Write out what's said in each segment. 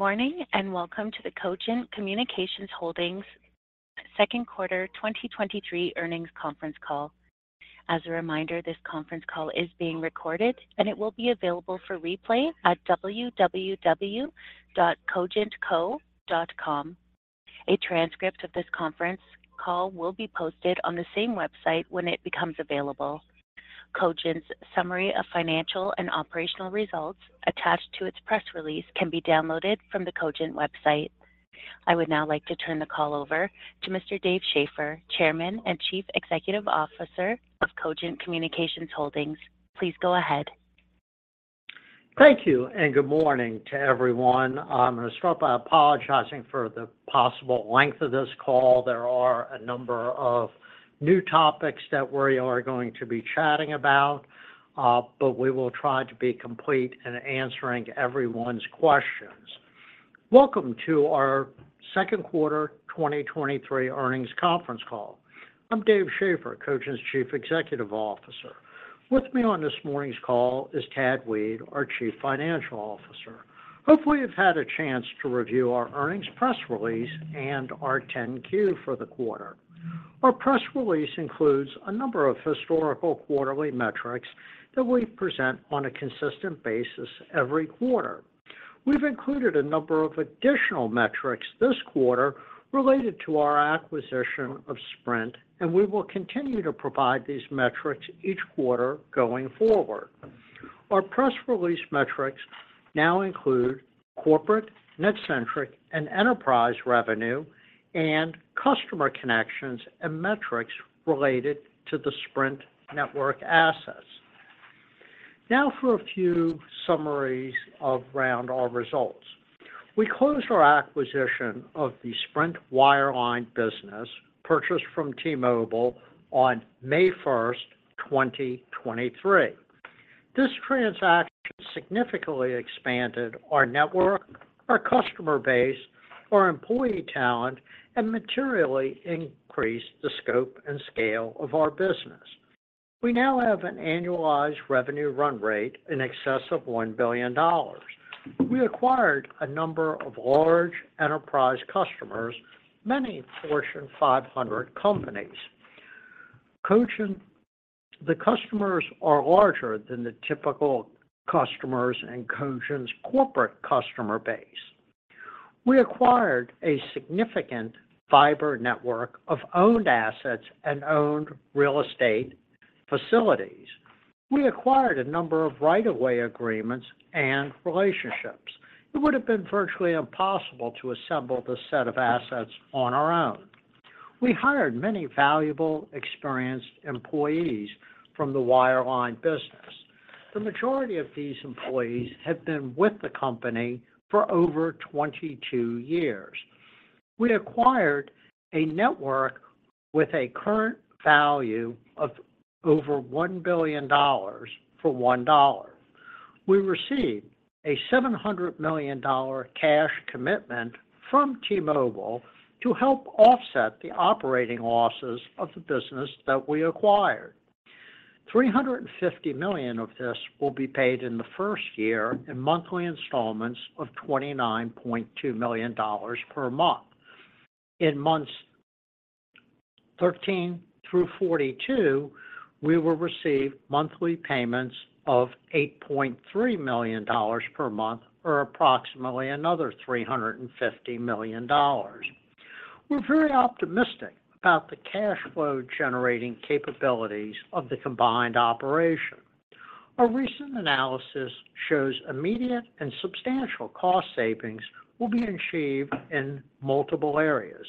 Good morning, and welcome to the Cogent Communications Holdings Q2 2023 Earnings Conference Call. As a reminder, this conference call is being recorded, and it will be available for replay at www.cogentco.com. A transcript of this conference call will be posted on the same website when it becomes available. Cogent's summary of financial and operational results attached to its press release can be downloaded from the Cogent website. I would now like to turn the call over to Mr. Dave Schaeffer, Chairman and Chief Executive Officer of Cogent Communications Holdings. Please go ahead. Thank you. Good morning to everyone. I'm going to start by apologizing for the possible length of this call. There are a number of new topics that we are going to be chatting about, but we will try to be complete in answering everyone's questions. Welcome to our Q2 2023 earnings conference call. I'm Dave Schaeffer, Cogent's Chief Executive Officer. With me on this morning's call is Thad Weed, our Chief Financial Officer. Hopefully, you've had a chance to review our earnings press release and our 10-Q for the quarter. Our press release includes a number of historical quarterly metrics that we present on a consistent basis every quarter. We've included a number of additional metrics this quarter related to our acquisition of Sprint, and we will continue to provide these metrics each quarter going forward. Our press release metrics now include corporate, NetCentric, and enterprise revenue, and customer connections and metrics related to the Sprint network assets. For a few summaries around our results. We closed our acquisition of the Sprint wireline business, purchased from T-Mobile on 1 May 2023. This transaction significantly expanded our network, our customer base, our employee talent, and materially increased the scope and scale of our business. We now have an annualized revenue run rate in excess of $1 billion. We acquired a number of large enterprise customers, many Fortune 500 companies. The customers are larger than the typical customers in Cogent's corporate customer base. We acquired a significant fiber network of owned assets and owned real estate facilities. We acquired a number of right-of-way agreements and relationships. It would have been virtually impossible to assemble this set of assets on our own. We hired many valuable, experienced employees from the wireline business. The majority of these employees have been with the company for over 22 years. We acquired a network with a current value of over $1 billion for $1. We received a $700 million cash commitment from T-Mobile to help offset the operating losses of the business that we acquired. $350 million of this will be paid in the first year in monthly installments of $29.2 million per month. In months 13 through 42, we will receive monthly payments of $8.3 million per month, or approximately another $350 million. We're very optimistic about the cash flow generating capabilities of the combined operation. A recent analysis shows immediate and substantial cost savings will be achieved in multiple areas.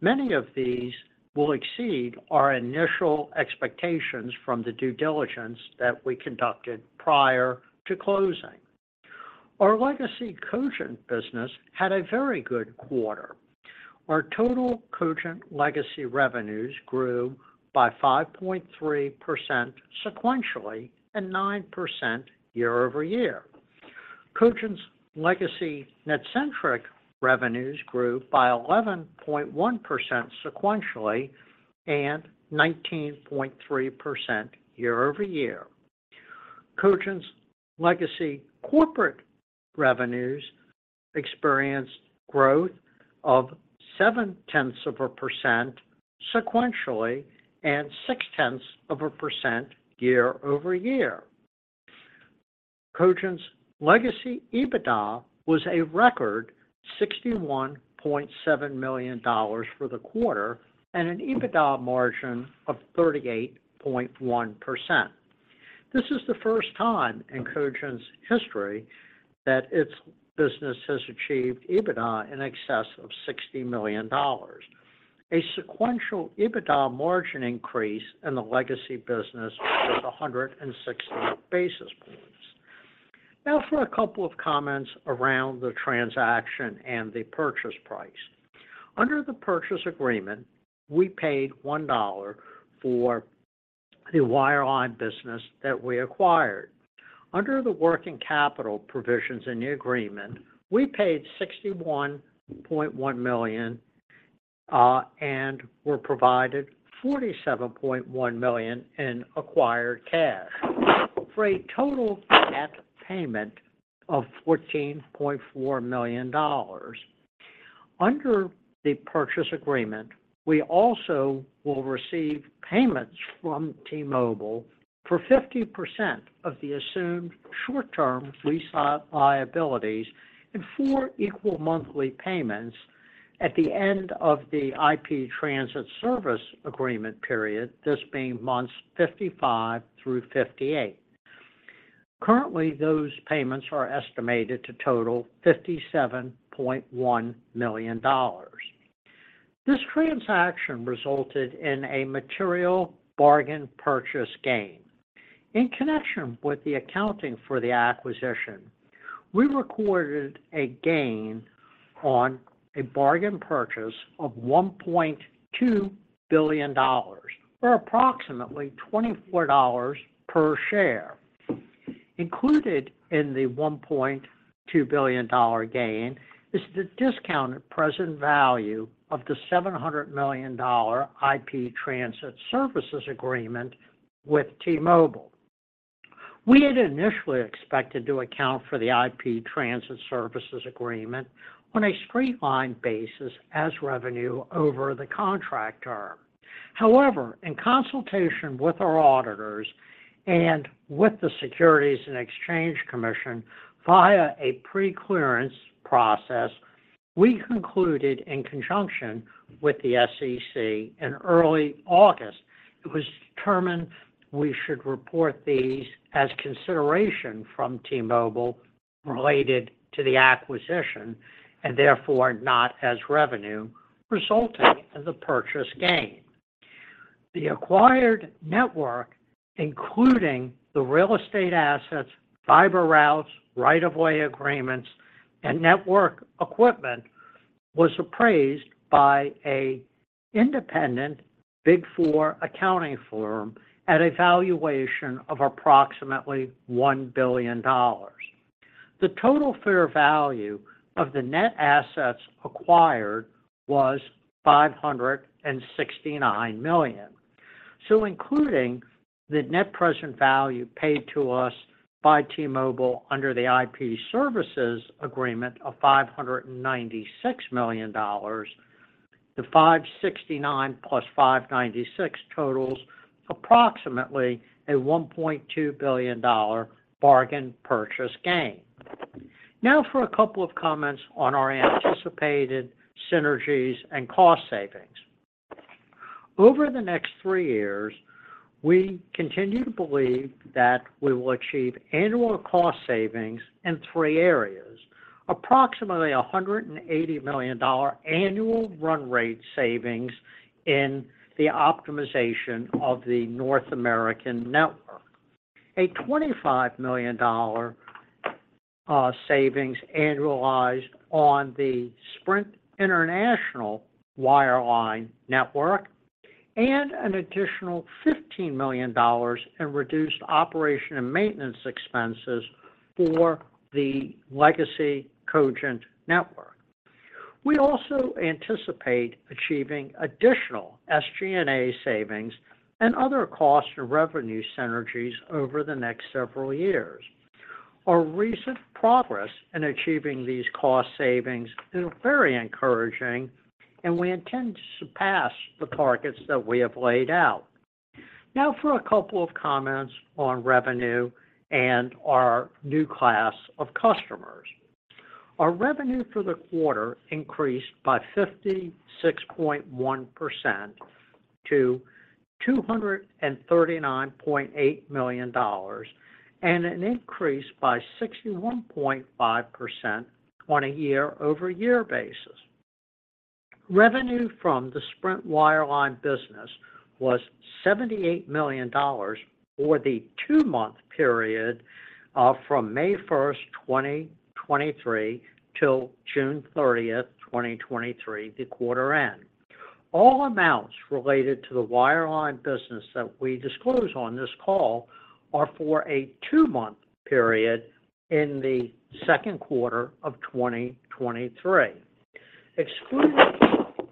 Many of these will exceed our initial expectations from the due diligence that we conducted prior to closing. Our legacy Cogent business had a very good quarter. Our total Cogent legacy revenues grew by 5.3% sequentially and 9% year-over-year. Cogent's legacy NetCentric revenues grew by 11.1% sequentially and 19.3% year-over-year. Cogent's legacy corporate revenues experienced growth of 0.7% sequentially and 0.6% year-over-year. Cogent's legacy EBITDA was a record $61.7 million for the quarter and an EBITDA margin of 38.1%. This is the first time in Cogent's history that its business has achieved EBITDA in excess of $60 million. A sequential EBITDA margin increase in the legacy business was 160 basis points. Now for a couple of comments around the transaction and the purchase price. Under the purchase agreement, we paid $1 for the wireline business that we acquired. Under the working capital provisions in the agreement, we paid $61.1 million and were provided $47.1 million in acquired cash, for a total net payment of $14.4 million. Under the purchase agreement, we also will receive payments from T-Mobile for 50% of the assumed short-term lease liabilities in four equal monthly payments at the end of the IP Transit Service agreement period, this being months 55 through 58. Currently, those payments are estimated to total $57.1 million. This transaction resulted in a material bargain purchase gain. In connection with the accounting for the acquisition, we recorded a gain on a bargain purchase of $1.2 billion, or approximately $24 per share. Included in the $1.2 billion gain is the discounted present value of the $700 million IP Transit Services Agreement with T-Mobile. We had initially expected to account for the IP Transit Services Agreement on a straight-line basis as revenue over the contract term. However, in consultation with our auditors and with the Securities and Exchange Commission via a preclearance process, we concluded in conjunction with the SEC in early August, it was determined we should report these as consideration from T-Mobile related to the acquisition, and therefore not as revenue, resulting in the purchase gain. The acquired network, including the real estate assets, fiber routes, right-of-way agreements, and network equipment, was appraised by an independent Big Four accounting firm at a valuation of approximately $1 billion. The total fair value of the net assets acquired was $569 million. Including the net present value paid to us by T-Mobile under the IP Services Agreement of $596 million, the $569 plus $596 totals approximately a $1.2 billion bargain purchase gain. Now for a couple of comments on our anticipated synergies and cost savings. Over the next three years, we continue to believe that we will achieve annual cost savings in three areas. Approximately $180 million annual run rate savings in the optimization of the North American network, a $25 million savings annualized on the Sprint international wireline network, and an additional $15 million in reduced operation and maintenance expenses for the legacy Cogent network. We also anticipate achieving additional SG&A savings and other cost and revenue synergies over the next several years. Our recent progress in achieving these cost savings is very encouraging, and we intend to surpass the targets that we have laid out. Now for a couple of comments on revenue and our new class of customers. Our revenue for the quarter increased by 56.1% to $239.8 million, and an increase by 61.5% on a year-over-year basis. Revenue from the Sprint wireline business was $78 million for the two month period, from 1 May 2023, till 30 June 2023, the quarter end. All amounts related to the wireline business that we disclose on this call are for a two month period in the Q2 of 2023. Excluding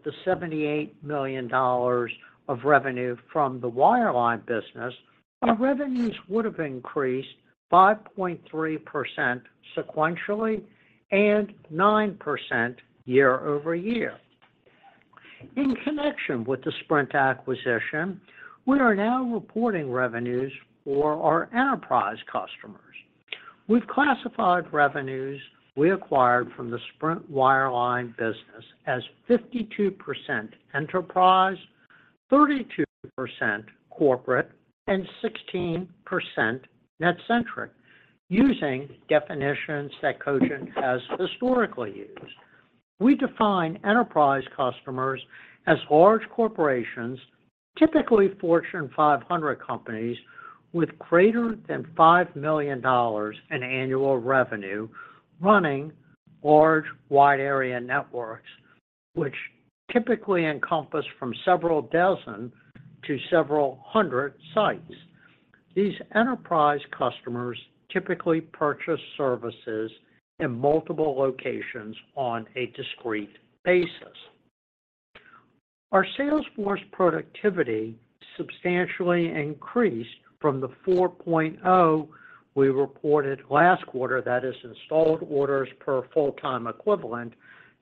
the $78 million of revenue from the wireline business, our revenues would have increased 5.3% sequentially and 9% year-over-year. In connection with the Sprint acquisition, we are now reporting revenues for our enterprise customers. We've classified revenues we acquired from the Sprint wireline business as 52% enterprise, 32% corporate, and 16% NetCentric, using definitions that Cogent has historically used. We define enterprise customers as large corporations, typically Fortune 500 companies, with greater than $5 million in annual revenue, running large wide area networks, which typically encompass from several dozen to several hundred sites. These enterprise customers typically purchase services in multiple locations on a discrete basis. Our sales force productivity substantially increased from the 4.0 we reported last quarter, that is, installed orders per full-time equivalent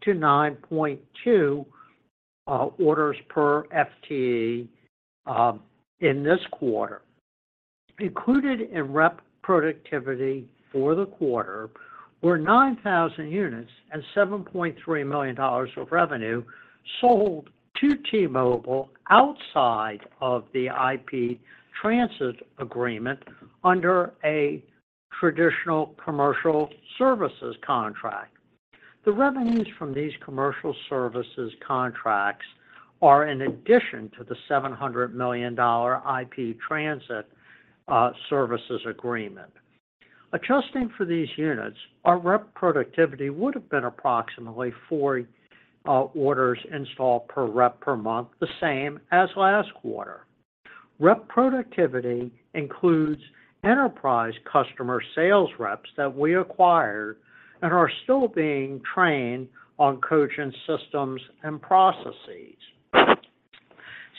to 9.2 orders per FTE in this quarter. Included in rep productivity for the quarter were 9,000 units and $7.3 million of revenue sold to T-Mobile outside of the IP Transit agreement under a traditional commercial services contract. The revenues from these commercial services contracts are in addition to the $700 million IP Transit Services Agreement. Adjusting for these units, our rep productivity would have been approximately 4 orders installed per rep per month, the same as last quarter. Rep productivity includes enterprise customer sales reps that we acquired and are still being trained on Cogent systems and processes.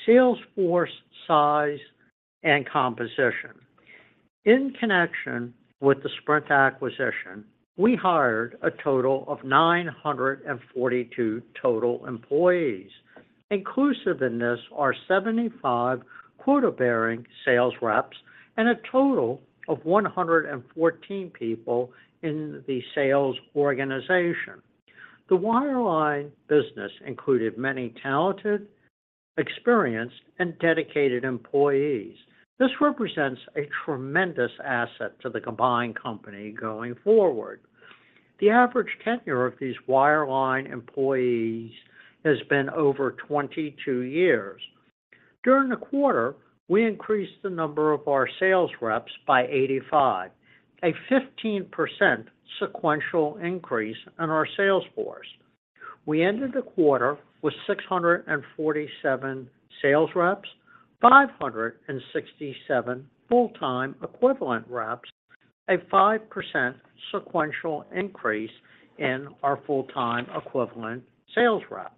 Sales force, size, and composition. In connection with the Sprint acquisition, we hired a total of 942 total employees. Inclusive in this are 75 quota-bearing sales reps and a total of 114 people in the sales organization. The wireline business included many talented, experienced, and dedicated employees. This represents a tremendous asset to the combined company going forward. The average tenure of these wireline employees has been over 22 years. During the quarter, we increased the number of our sales reps by 85, a 15% sequential increase in our sales force. We ended the quarter with 647 sales reps, 567 full-time equivalent reps, a 5% sequential increase in our full-time equivalent sales reps.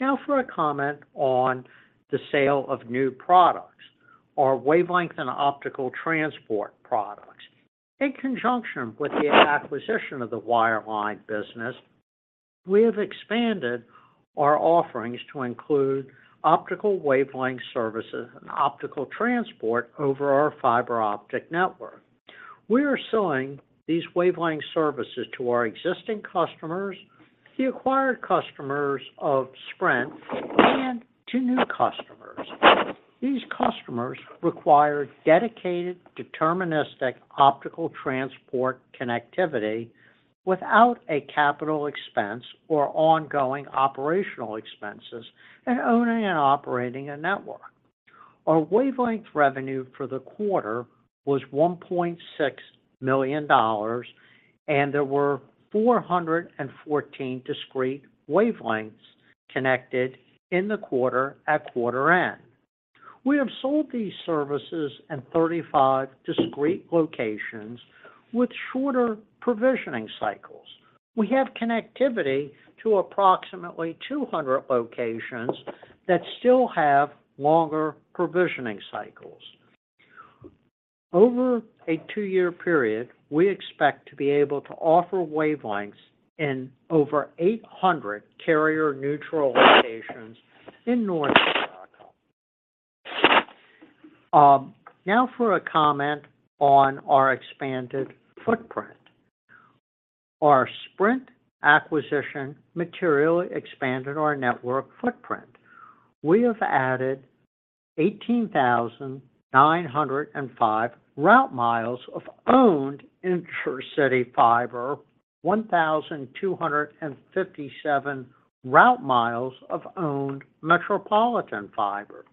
Now, for a comment on the sale of new products, our Wavelength and optical transport products. In conjunction with the acquisition of the wireline business, we have expanded our offerings to include optical Wavelength services and optical transport over our fiber optic network. We are selling these Wavelength services to our existing customers, the acquired customers of Sprint, and to new customers. These customers require dedicated, deterministic optical transport connectivity without a capital expense or ongoing operational expenses in owning and operating a network. Our Wavelength revenue for the quarter was $1.6 million, and there were 414 discrete Wavelengths connected in the quarter at quarter end. We have sold these services in 35 discrete locations with shorter provisioning cycles. We have connectivity to approximately 200 locations that still have longer provisioning cycles. Over a two year period, we expect to be able to offer Wavelengths in over 800 carrier neutral locations in North America. Now for a comment on our expanded footprint. Our Sprint acquisition materially expanded our network footprint. We have added 18,905 route miles of owned intercity fiber, 1,257 route miles of owned metropolitan fiber.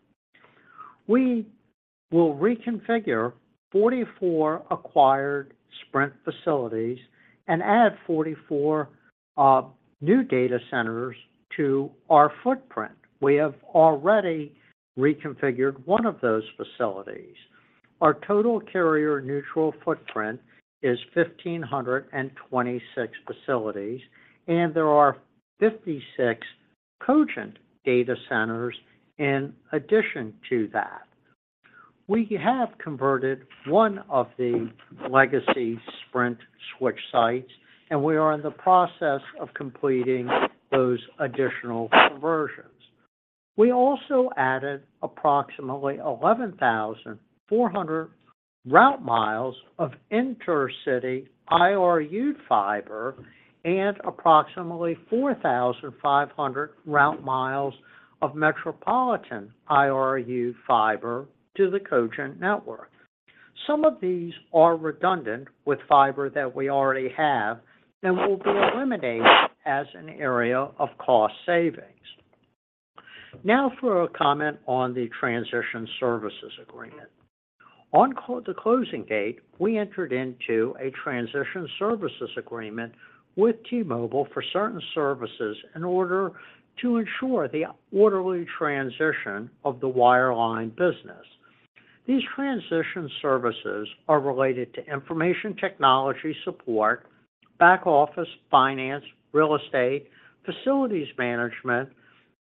We will reconfigure 44 acquired Sprint facilities and add 44 new data centers to our footprint. We have already reconfigured one of those facilities. Our total carrier neutral footprint is 1,526 facilities, and there are 56 Cogent data centers in addition to that. We have converted one of the legacy Sprint switch sites, we are in the process of completing those additional conversions. We also added approximately 11,400 route miles of intercity IRU fiber and approximately 4,500 route miles of metropolitan IRU fiber to the Cogent network. Some of these are redundant with fiber that we already have and will be eliminated as an area of cost savings. Now for a comment on the transition services agreement. On the closing date, we entered into a transition services agreement with T-Mobile for certain services in order to ensure the orderly transition of the wireline business. These transition services are related to information technology support, back office, finance, real estate, facilities management,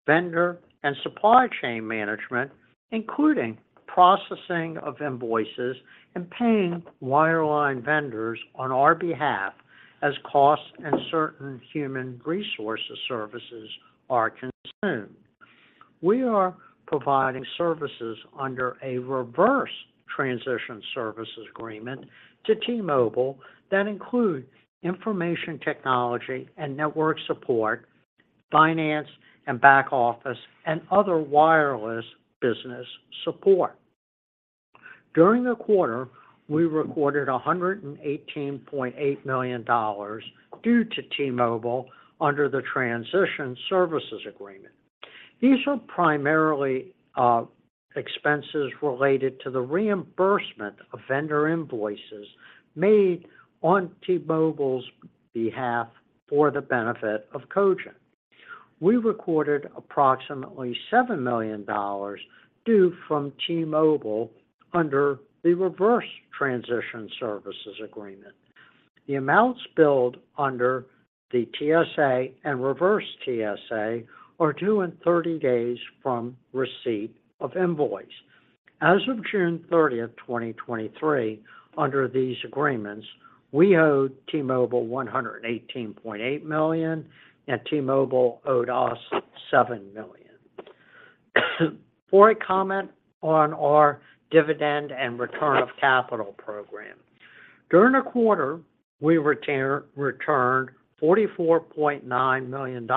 vendor and supply chain management, including processing of invoices and paying wireline vendors on our behalf as costs and certain human resources services are consumed. We are providing services under a reverse transition services agreement to T-Mobile that include information technology and network support, finance and back office, and other wireless business support. During the quarter, we recorded $118.8 million due to T-Mobile under the transition services agreement. These are primarily expenses related to the reimbursement of vendor invoices made on T-Mobile's behalf for the benefit of Cogent. We recorded approximately $7 million due from T-Mobile under the reverse transition services agreement. The amounts billed under the TSA and reverse TSA are due in 30 days from receipt of invoice. As of 30th June 2023, under these agreements, we owed T-Mobile $118.8 million, and T-Mobile owed us $7 million. For a comment on our dividend and return of capital program. During the quarter, we returned $44.9 million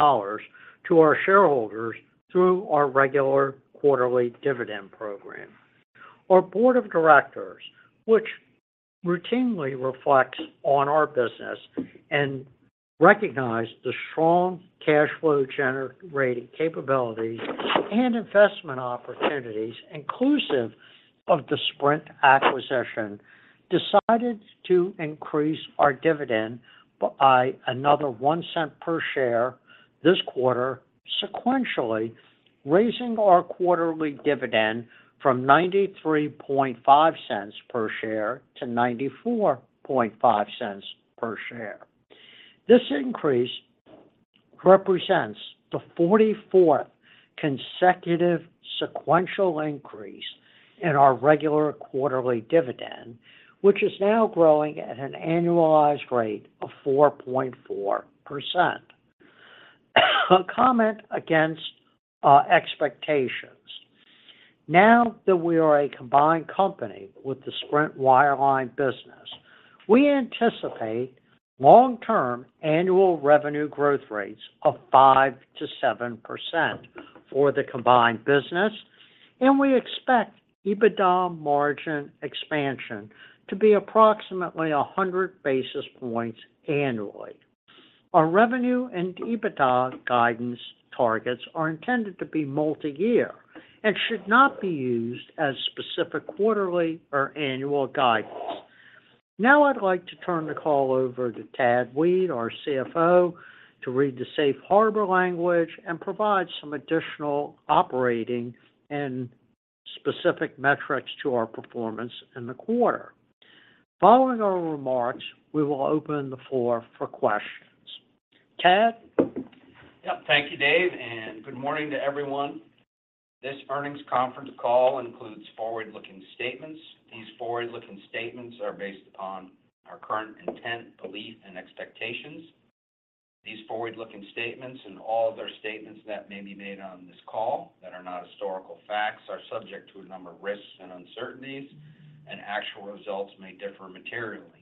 to our shareholders through our regular quarterly dividend program. Our board of directors, which routinely reflects on our business and recognize the strong cash flow generating capabilities and investment opportunities, inclusive of the Sprint acquisition, decided to increase our dividend by another $1 per share this quarter, sequentially, raising our quarterly dividend from $93.5 per share to $94.5 per share. This increase represents the 44th consecutive sequential increase in our regular quarterly dividend, which is now growing at an annualized rate of 4.4%. A comment against our expectations. Now that we are a combined company with the Sprint wireline business, we anticipate long-term annual revenue growth rates of 5%-7% for the combined business, and we expect EBITDA margin expansion to be approximately 100 basis points annually. Our revenue and EBITDA guidance targets are intended to be multi-year and should not be used as specific quarterly or annual guidance. Now, I'd like to turn the call over to Thad Weed, our CFO, to read the safe harbor language and provide some additional operating and specific metrics to our performance in the quarter. Following our remarks, we will open the floor for questions. Thad? Yep. Thank you, Dave, good morning to everyone. This earnings conference call includes forward-looking statements. These forward-looking statements are based upon our current intent, belief, and expectations. These forward-looking statements and all other statements that may be made on this call that are not historical facts, are subject to a number of risks and uncertainties, and actual results may differ materially.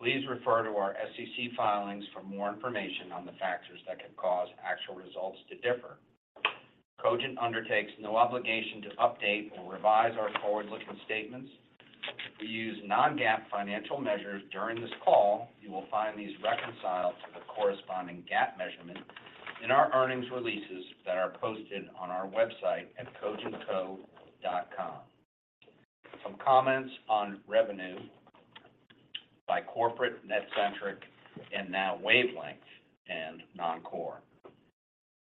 Please refer to our SEC filings for more information on the factors that could cause actual results to differ. Cogent undertakes no obligation to update or revise our forward-looking statements. We use non-GAAP financial measures during this call. You will find these reconciled to the corresponding GAAP measurement in our earnings releases that are posted on our website at cogentco.com. Some comments on revenue by corporate, NetCentric, and now Wavelength and non-core.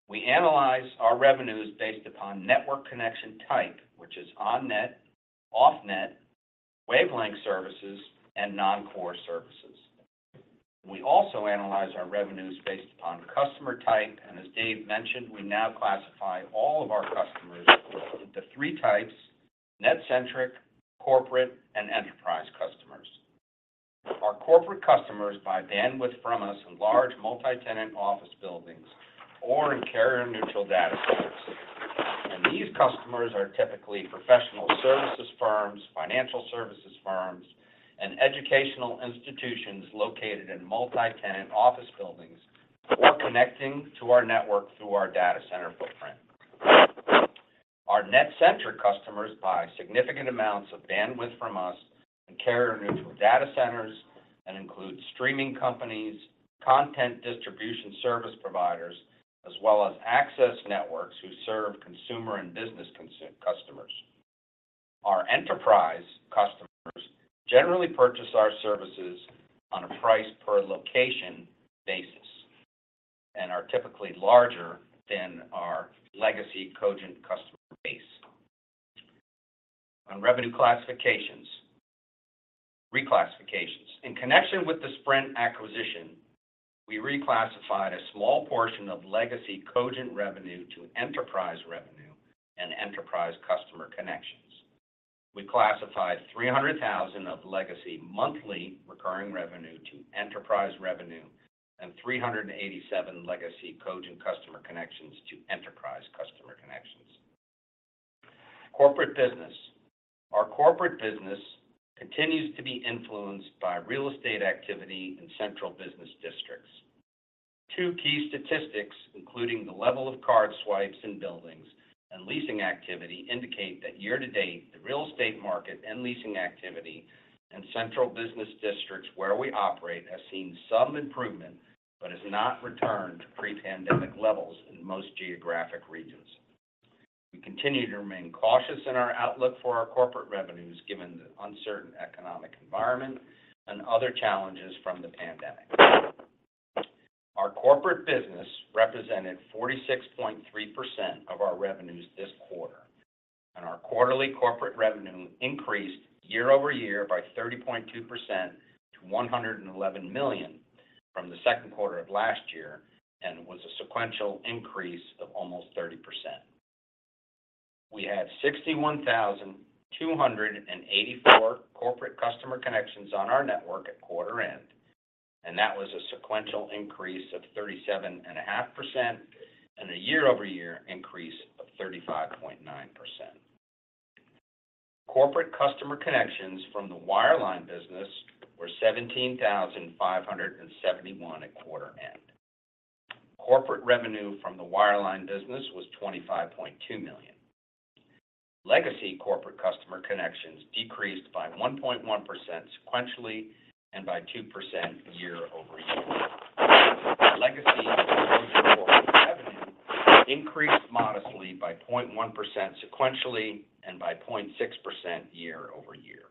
We analyze our revenues based upon network connection type, which is on-net, off-net, Wavelengths services, and non-core services. We also analyze our revenues based upon customer type, and as Dave mentioned, we now classify all of our customers into three types: NetCentric, corporate, and enterprise customers. These customers are typically professional services firms, financial services firms, and educational institutions located in multi-tenant office buildings or connecting to our network through our data center footprint. Our NetCentric customers buy significant amounts of bandwidth from us in carrier-neutral data centers and include streaming companies, content distribution service providers, as well as access networks who serve consumer and business customers. Our enterprise customers generally purchase our services on a price per location basis, are typically larger than our legacy Cogent customer base. On revenue classifications, reclassifications. In connection with the Sprint acquisition, we reclassified a small portion of legacy Cogent revenue to enterprise revenue and enterprise customer connections. We classified $300,000 of legacy monthly recurring revenue to enterprise revenue, 387 legacy Cogent customer connections to enterprise customer connections. Corporate business. Our corporate business continues to be influenced by real estate activity in central business districts. 2 key statistics, including the level of card swipes in buildings and leasing activity, indicate that year to date, the real estate market and leasing activity in central business districts where we operate, have seen some improvement, but has not returned to pre-pandemic levels in most geographic regions. We continue to remain cautious in our outlook for our corporate revenues, given the uncertain economic environment and other challenges from the pandemic. Our corporate business represented 46.3% of our revenues this quarter. Our quarterly corporate revenue increased year-over-year by 30.2% to $111 million from the Q2 of last year, and was a sequential increase of almost 30%. We had 61,284 corporate customer connections on our network at quarter end, and that was a sequential increase of 37.5% and a year-over-year increase of 35.9%. Corporate customer connections from the wireline business were 17,571 at quarter end. Corporate revenue from the wireline business was $25.2 million. Legacy corporate customer connections decreased by 1.1% sequentially and by 2% year-over-year. Legacy corporate revenue increased modestly by 0.1% sequentially and by 0.6% year-over-year.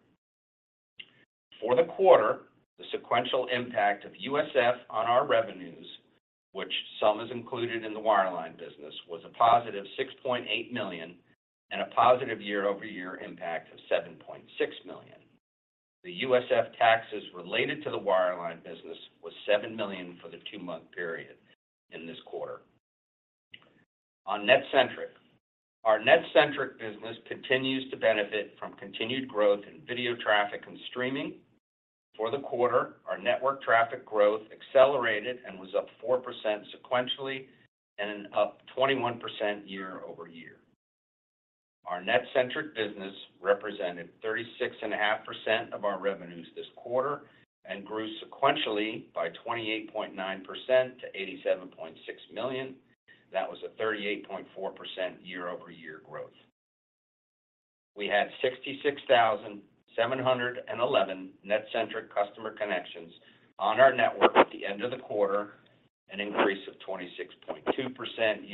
For the quarter, the sequential impact of USF on our revenues, which some is included in the wireline business, was a positive $6.8 million and a positive year-over-year impact of $7.6 million. The USF taxes related to the wireline business was $7 million for the two-month period in this quarter. On NetCentric. Our NetCentric business continues to benefit from continued growth in video traffic and streaming. For the quarter, our network traffic growth accelerated and was up 4% sequentially and up 21% year-over-year. Our NetCentric business represented 36.5% of our revenues this quarter and grew sequentially by 28.9% to $87.6 million. That was a 38.4% year-over-year growth. We had 66,711 NetCentric customer connections on our network at the end of the quarter, an increase of 26.2%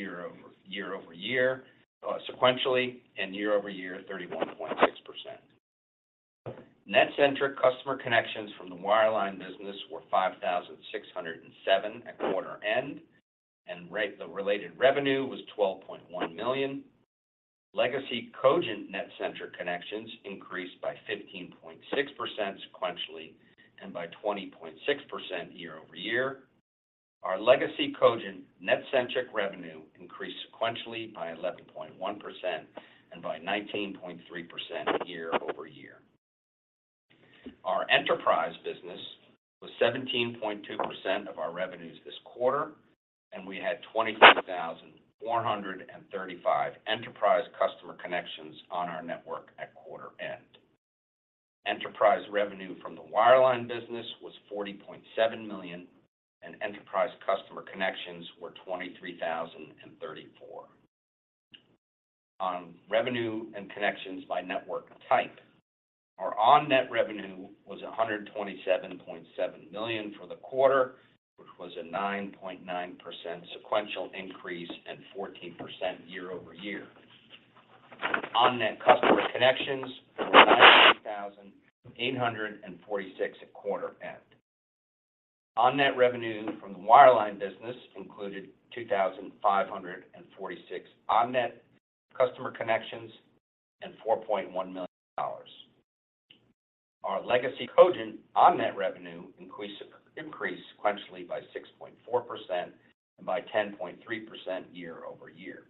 year-over-year, sequentially, and year-over-year, 31.6%. NetCentric customer connections from the wireline business were 5,607 at quarter end. The related revenue was $12.1 million. Legacy Cogent NetCentric connections increased by 15.6% sequentially and by 20.6% year-over-year. Our legacy Cogent NetCentric revenue increased sequentially by 11.1% and by 19.3% year-over-year. Our enterprise business was 17.2% of our revenues this quarter, and we had 24,435 enterprise customer connections on our network at quarter end. Enterprise revenue from the wireline business was $40.7 million, and enterprise customer connections were 23,034. On revenue and connections by network type. Our on-net revenue was $127.7 million for the quarter, which was a 9.9% sequential increase and 14% year-over-year. On-net customer connections were 93,846 at quarter end. On-net revenue from the wireline business included 2,546 on-net customer connections and $4.1 million. Our legacy Cogent on-net revenue increased sequentially by 6.4% and by 10.3% year-over-year.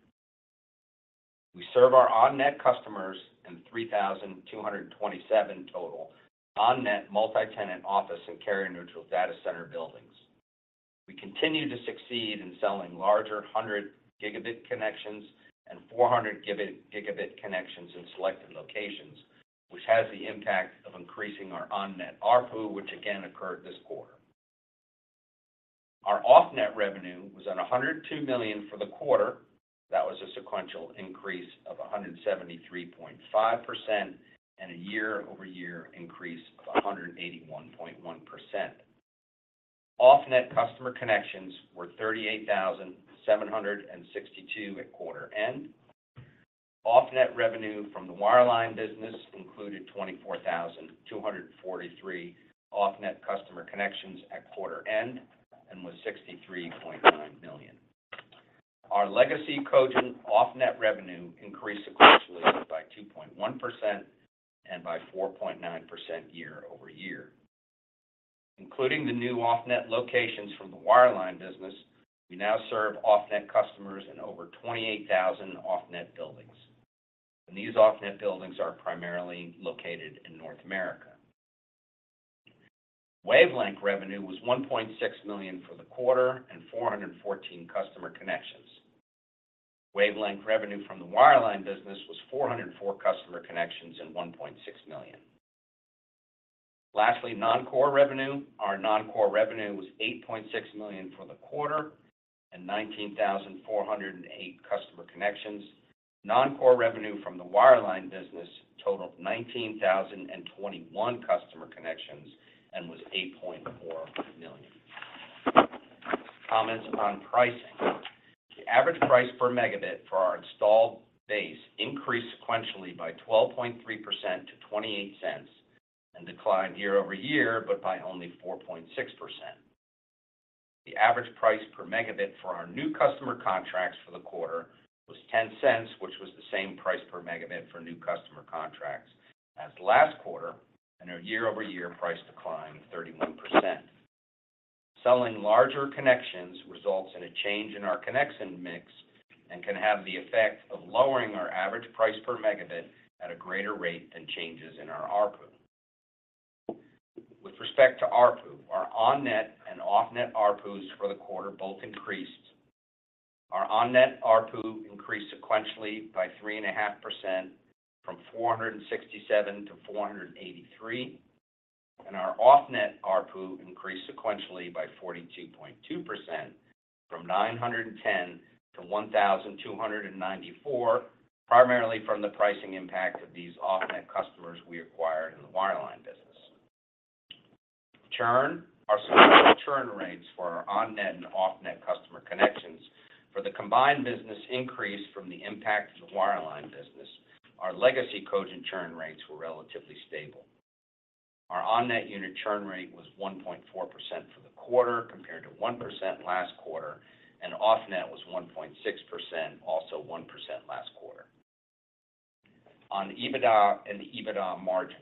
We serve our on-net customers in 3,227 total on-net multi-tenant office and carrier-neutral data center buildings. We continue to succeed in selling larger 100 gigabit connections and 400 gigabit connections in selected locations, which has the impact of increasing our on-net ARPU, which again occurred this quarter. Our off-net revenue was at $102 million for the quarter. That was a sequential increase of 173.5% and a year-over-year increase of 181.1%. Off-net customer connections were 38,762 at quarter end. Off-net revenue from the wireline business included 24,243 off-net customer connections at quarter end and was $63.9 million. Our legacy Cogent off-net revenue increased sequentially by 2.1% and by 4.9% year-over-year. Including the new off-net locations from the wireline business, we now serve off-net customers in over 28,000 off-net buildings. These off-net buildings are primarily located in North America. Wavelength revenue was $1.6 million for the quarter and 414 customer connections. Wavelength revenue from the wireline business was 404 customer connections and $1.6 million. Lastly, non-core revenue. Our non-core revenue was $8.6 million for the quarter and 19,408 customer connections. Non-core revenue from the wireline business totaled 19,021 customer connections and was $8.4 million. Comments on pricing. The average price per megabit for our installed base increased sequentially by 12.3% to $0.28 and declined year-over-year, but by only 4.6%. The average price per megabit for our new customer contracts for the quarter was $0.10, which was the same price per megabit for new customer contracts as last quarter, and a year-over-year price decline of 31%. Selling larger connections results in a change in our connection mix and can have the effect of lowering our average price per megabit at a greater rate than changes in our ARPU. With respect to ARPU, our on-net and off-net ARPUs for the quarter both increased. Our on-net ARPU increased sequentially by 3.5%, from 467 to 483. Our off-net ARPU increased sequentially by 42.2% from 910 to 1,294, primarily from the pricing impact of these off-net customers we acquired in the wireline business. Churn. Our churn rates for our on-net and off-net customer connections for the combined business increased from the impact of the wireline business. Our legacy Cogent churn rates were relatively stable. Our on-net unit churn rate was 1.4% for the quarter, compared to 1% last quarter, and off-net was 1.6%, also 1% last quarter. On EBITDA and EBITDA margin.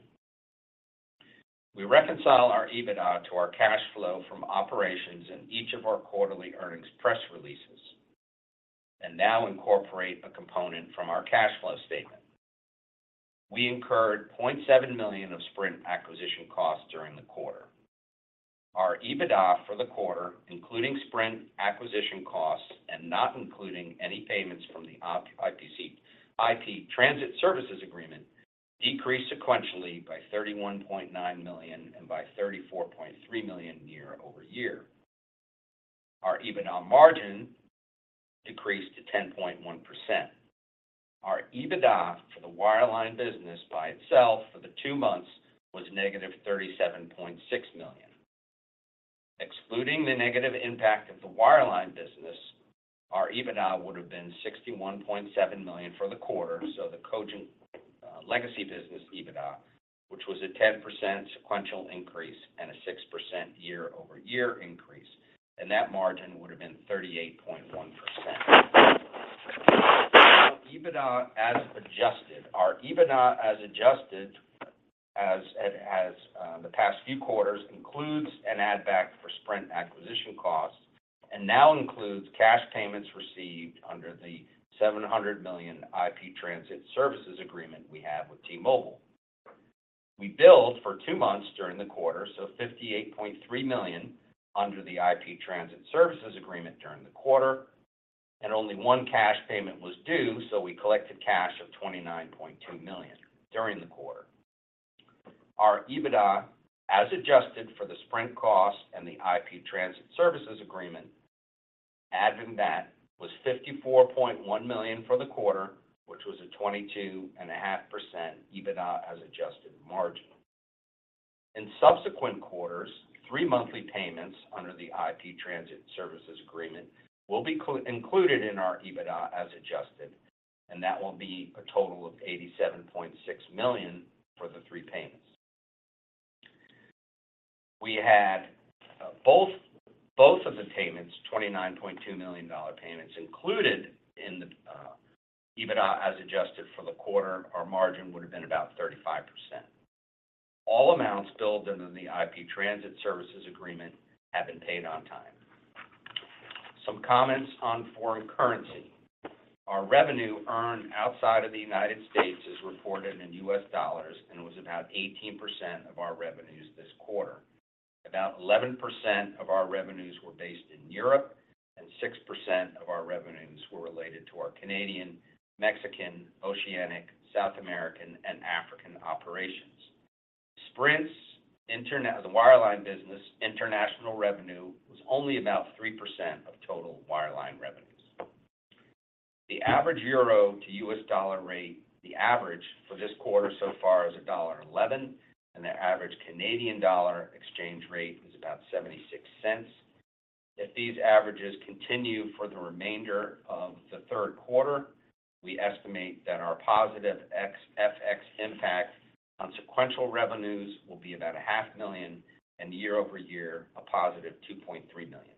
We reconcile our EBITDA to our cash flow from operations in each of our quarterly earnings press releases, and now incorporate a component from our cash flow statement. We incurred $0.7 million of Sprint acquisition costs during the quarter. Our EBITDA for the quarter, including Sprint acquisition costs and not including any payments from the IP Transit Services Agreement, decreased sequentially by $31.9 million and by $34.3 million year-over-year. Our EBITDA margin decreased to 10.1%. Our EBITDA for the wireline business by itself for the two months was -$37.6 million. Excluding the negative impact of the wireline business, our EBITDA would have been $61.7 million for the quarter, so the Cogent legacy business EBITDA, which was a 10% sequential increase and a 6% year-over-year increase, and that margin would have been 38.1%. EBITDA as adjusted. Our EBITDA as adjusted, the past few quarters, includes an add back for Sprint acquisition costs and now includes cash payments received under the $700 million IP Transit Services Agreement we have with T-Mobile. We billed for two months during the quarter, so $58.3 million under the IP Transit Services Agreement during the quarter, and only one cash payment was due, so we collected cash of $29.2 million during the quarter. Our EBITDA, as adjusted for the Sprint cost and the IP Transit Services Agreement, adding that was $54.1 million for the quarter, which was a 22.5% EBITDA as adjusted margin. In subsequent quarters, three monthly payments under the IP Transit Services Agreement will be included in our EBITDA as adjusted, and that will be a total of $87.6 million for the three payments. We had both of the payments, $29.2 million payments, included in the EBITDA as adjusted for the quarter, our margin would have been about 35%. All amounts billed under the IP Transit Services Agreement have been paid on time. Some comments on foreign currency. Our revenue earned outside of the United States is reported in US dollars and was about 18% of our revenues this quarter. About 11% of our revenues were based in Europe, and 6% of our revenues were related to our Canadian, Mexican, Oceanic, South American, and African operations. Sprint's internet, the wireline business, international revenue was only about 3% of total wireline revenues. The average euro to US dollar rate, the average for this quarter so far, is $1.11, and the average Canadian dollar exchange rate is about $0.76. If these averages continue for the remainder of the Q3, we estimate that our positive FX impact on sequential revenues will be about $500,000, and year-over-year, a positive $2.3 million.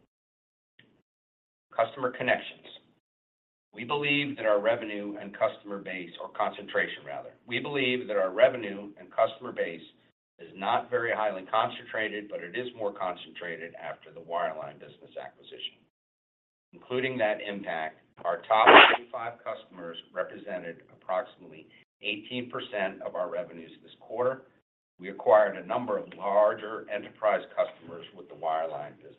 Customer connections. We believe that our revenue and customer base, or concentration rather. We believe that our revenue and customer base is not very highly concentrated, but it is more concentrated after the wireline business acquisition. Including that impact, our top 25 customers represented approximately 18% of our revenues this quarter. We acquired a number of larger enterprise customers with the wireline business.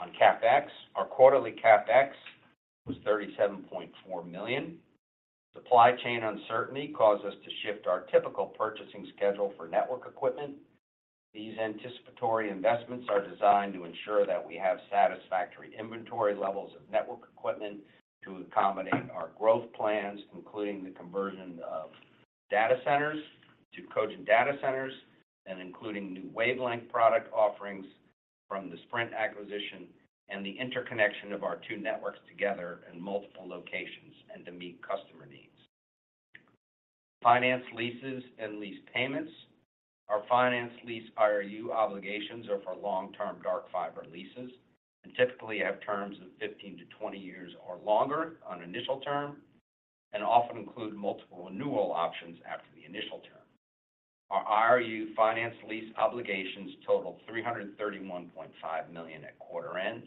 On CapEx, our quarterly CapEx was $37.4 million. Supply chain uncertainty caused us to shift our typical purchasing schedule for network equipment. These anticipatory investments are designed to ensure that we have satisfactory inventory levels of network equipment to accommodate our growth plans, including the conversion of data centers to Cogent data centers, and including new Wavelengths product offerings from the Sprint acquisition, and the interconnection of our two networks together in multiple locations and to meet customer needs. Finance leases and lease payments. Our finance lease IRU obligations are for long-term dark fiber leases, and typically have terms of 15-20 years or longer on initial term, and often include multiple renewal options after the initial term. Our IRU finance lease obligations totaled $331.5 million at quarter end.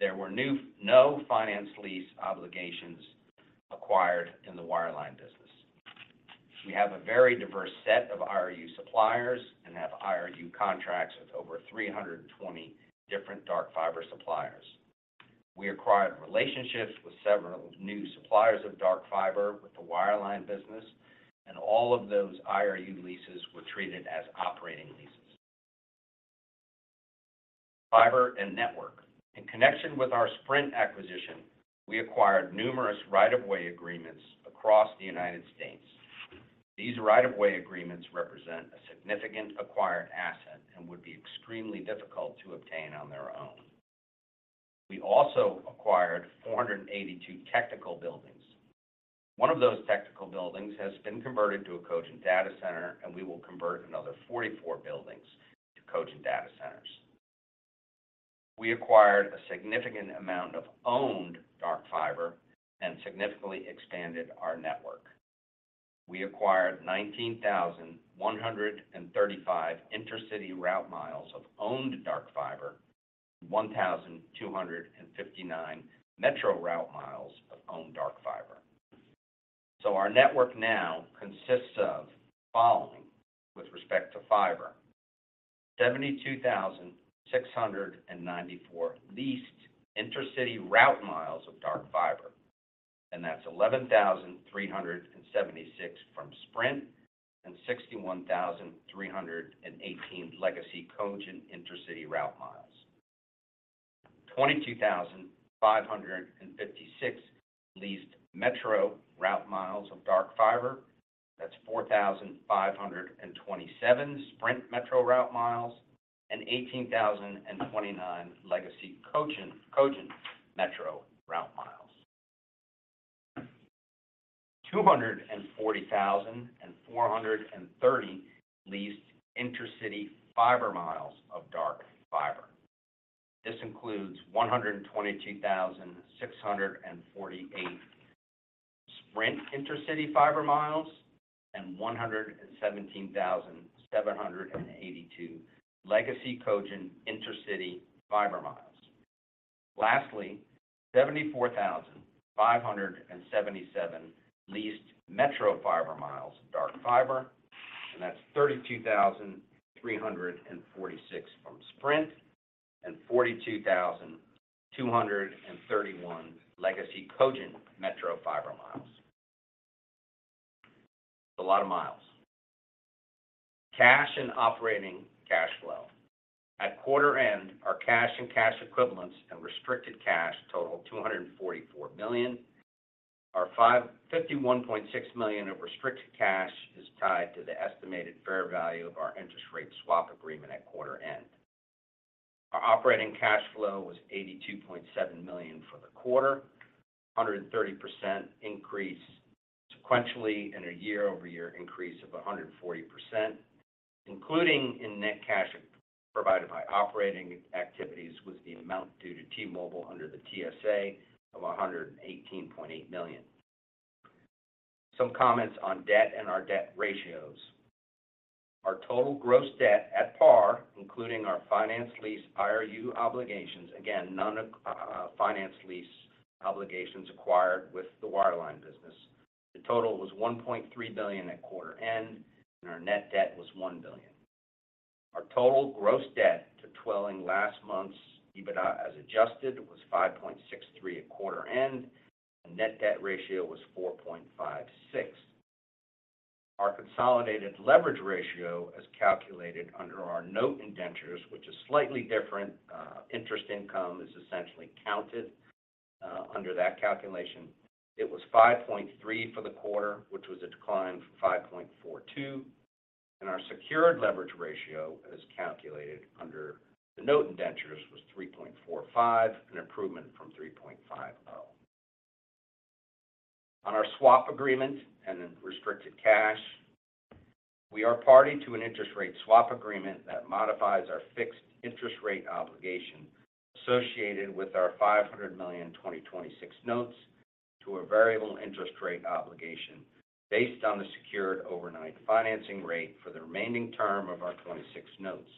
There were no finance lease obligations acquired in the wireline business. We have a very diverse set of IRU suppliers and have IRU contracts with over 320 different dark fiber suppliers. We acquired relationships with several new suppliers of dark fiber with the wireline business, and all of those IRU leases were treated as operating leases. Fiber and network. In connection with our Sprint acquisition, we acquired numerous right-of-way agreements across the United States. These right-of-way agreements represent a significant acquired asset and would be extremely difficult to obtain on their own. We also acquired 482 technical buildings. One of those technical buildings has been converted to a Cogent data center, and we will convert another 44 buildings to Cogent data centers. We acquired a significant amount of owned dark fiber and significantly expanded our network. We acquired 19,135 intercity route miles of owned dark fiber, 1,259 metro route miles of owned dark fiber. Our network now consists of the following with respect to fiber: 72,694 leased intercity route miles of dark fiber, and that's 11,376 from Sprint and 61,318 legacy Cogent intercity route miles. 22,556 leased metro route miles of dark fiber. That's 4,527 Sprint metro route miles and 18,029 legacy Cogent, Cogent metro route miles. 240,430 leased intercity fiber miles of dark fiber. This includes 122,648 Sprint intercity fiber miles and 117,782 legacy Cogent intercity fiber miles. Lastly, 74,577 leased metro fiber miles of dark fiber, and that's 32,346 from Sprint and 42,231 legacy Cogent metro fiber miles. It's a lot of miles. Cash and operating cash flow. At quarter end, our cash and cash equivalents and restricted cash totaled $244 million. Our $51.6 million of restricted cash is tied to the estimated fair value of our interest rate swap agreement at quarter end. Our operating cash flow was $82.7 million for the quarter, a 130% increase sequentially, and a year-over-year increase of a 140%. Including in net cash provided by operating activities was the amount due to T-Mobile under the TSA of $118.8 million. Some comments on debt and our debt ratios. Our total gross debt at par, including our finance lease IRU obligations, again, none of finance lease obligations acquired with the wireline business. The total was $1.3 billion at quarter end, and our net debt was $1 billion. Our total gross debt to trailing last month's EBITDA as adjusted, was 5.63 at quarter end, and net debt ratio was 4.56. Our consolidated leverage ratio, as calculated under our note indentures, which is slightly different, interest income, is essentially counted under that calculation, it was 5.3 for the quarter, which was a decline from 5.42, and our secured leverage ratio, as calculated under the note indentures, was 3.45, an improvement from 3.50. On our swap agreement and then restricted cash, we are party to an interest rate swap agreement that modifies our fixed interest rate obligation associated with our $500 million 2026 notes to a variable interest rate obligation based on the Secured Overnight Financing Rate for the remaining term of our 26 notes.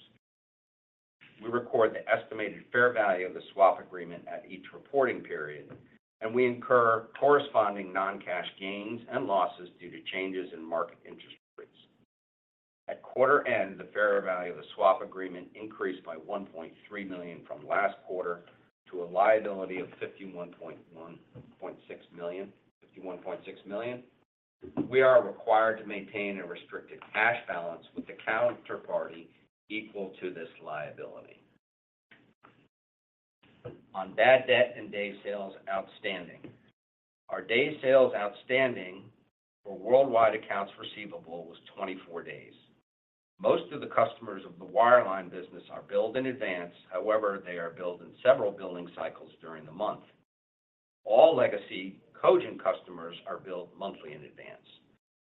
We record the estimated fair value of the swap agreement at each reporting period, and we incur corresponding non-cash gains and losses due to changes in market interest rates. At quarter end, the fair value of the swap agreement increased by $1.3 million from last quarter to a liability of $51.6 million. We are required to maintain a restricted cash balance with the counterparty equal to this liability. On bad debt and day sales outstanding. Our day sales outstanding for worldwide accounts receivable was 24 days. Most of the customers of the wireline business are billed in advance. However, they are billed in several billing cycles during the month. All legacy Cogent customers are billed monthly in advance.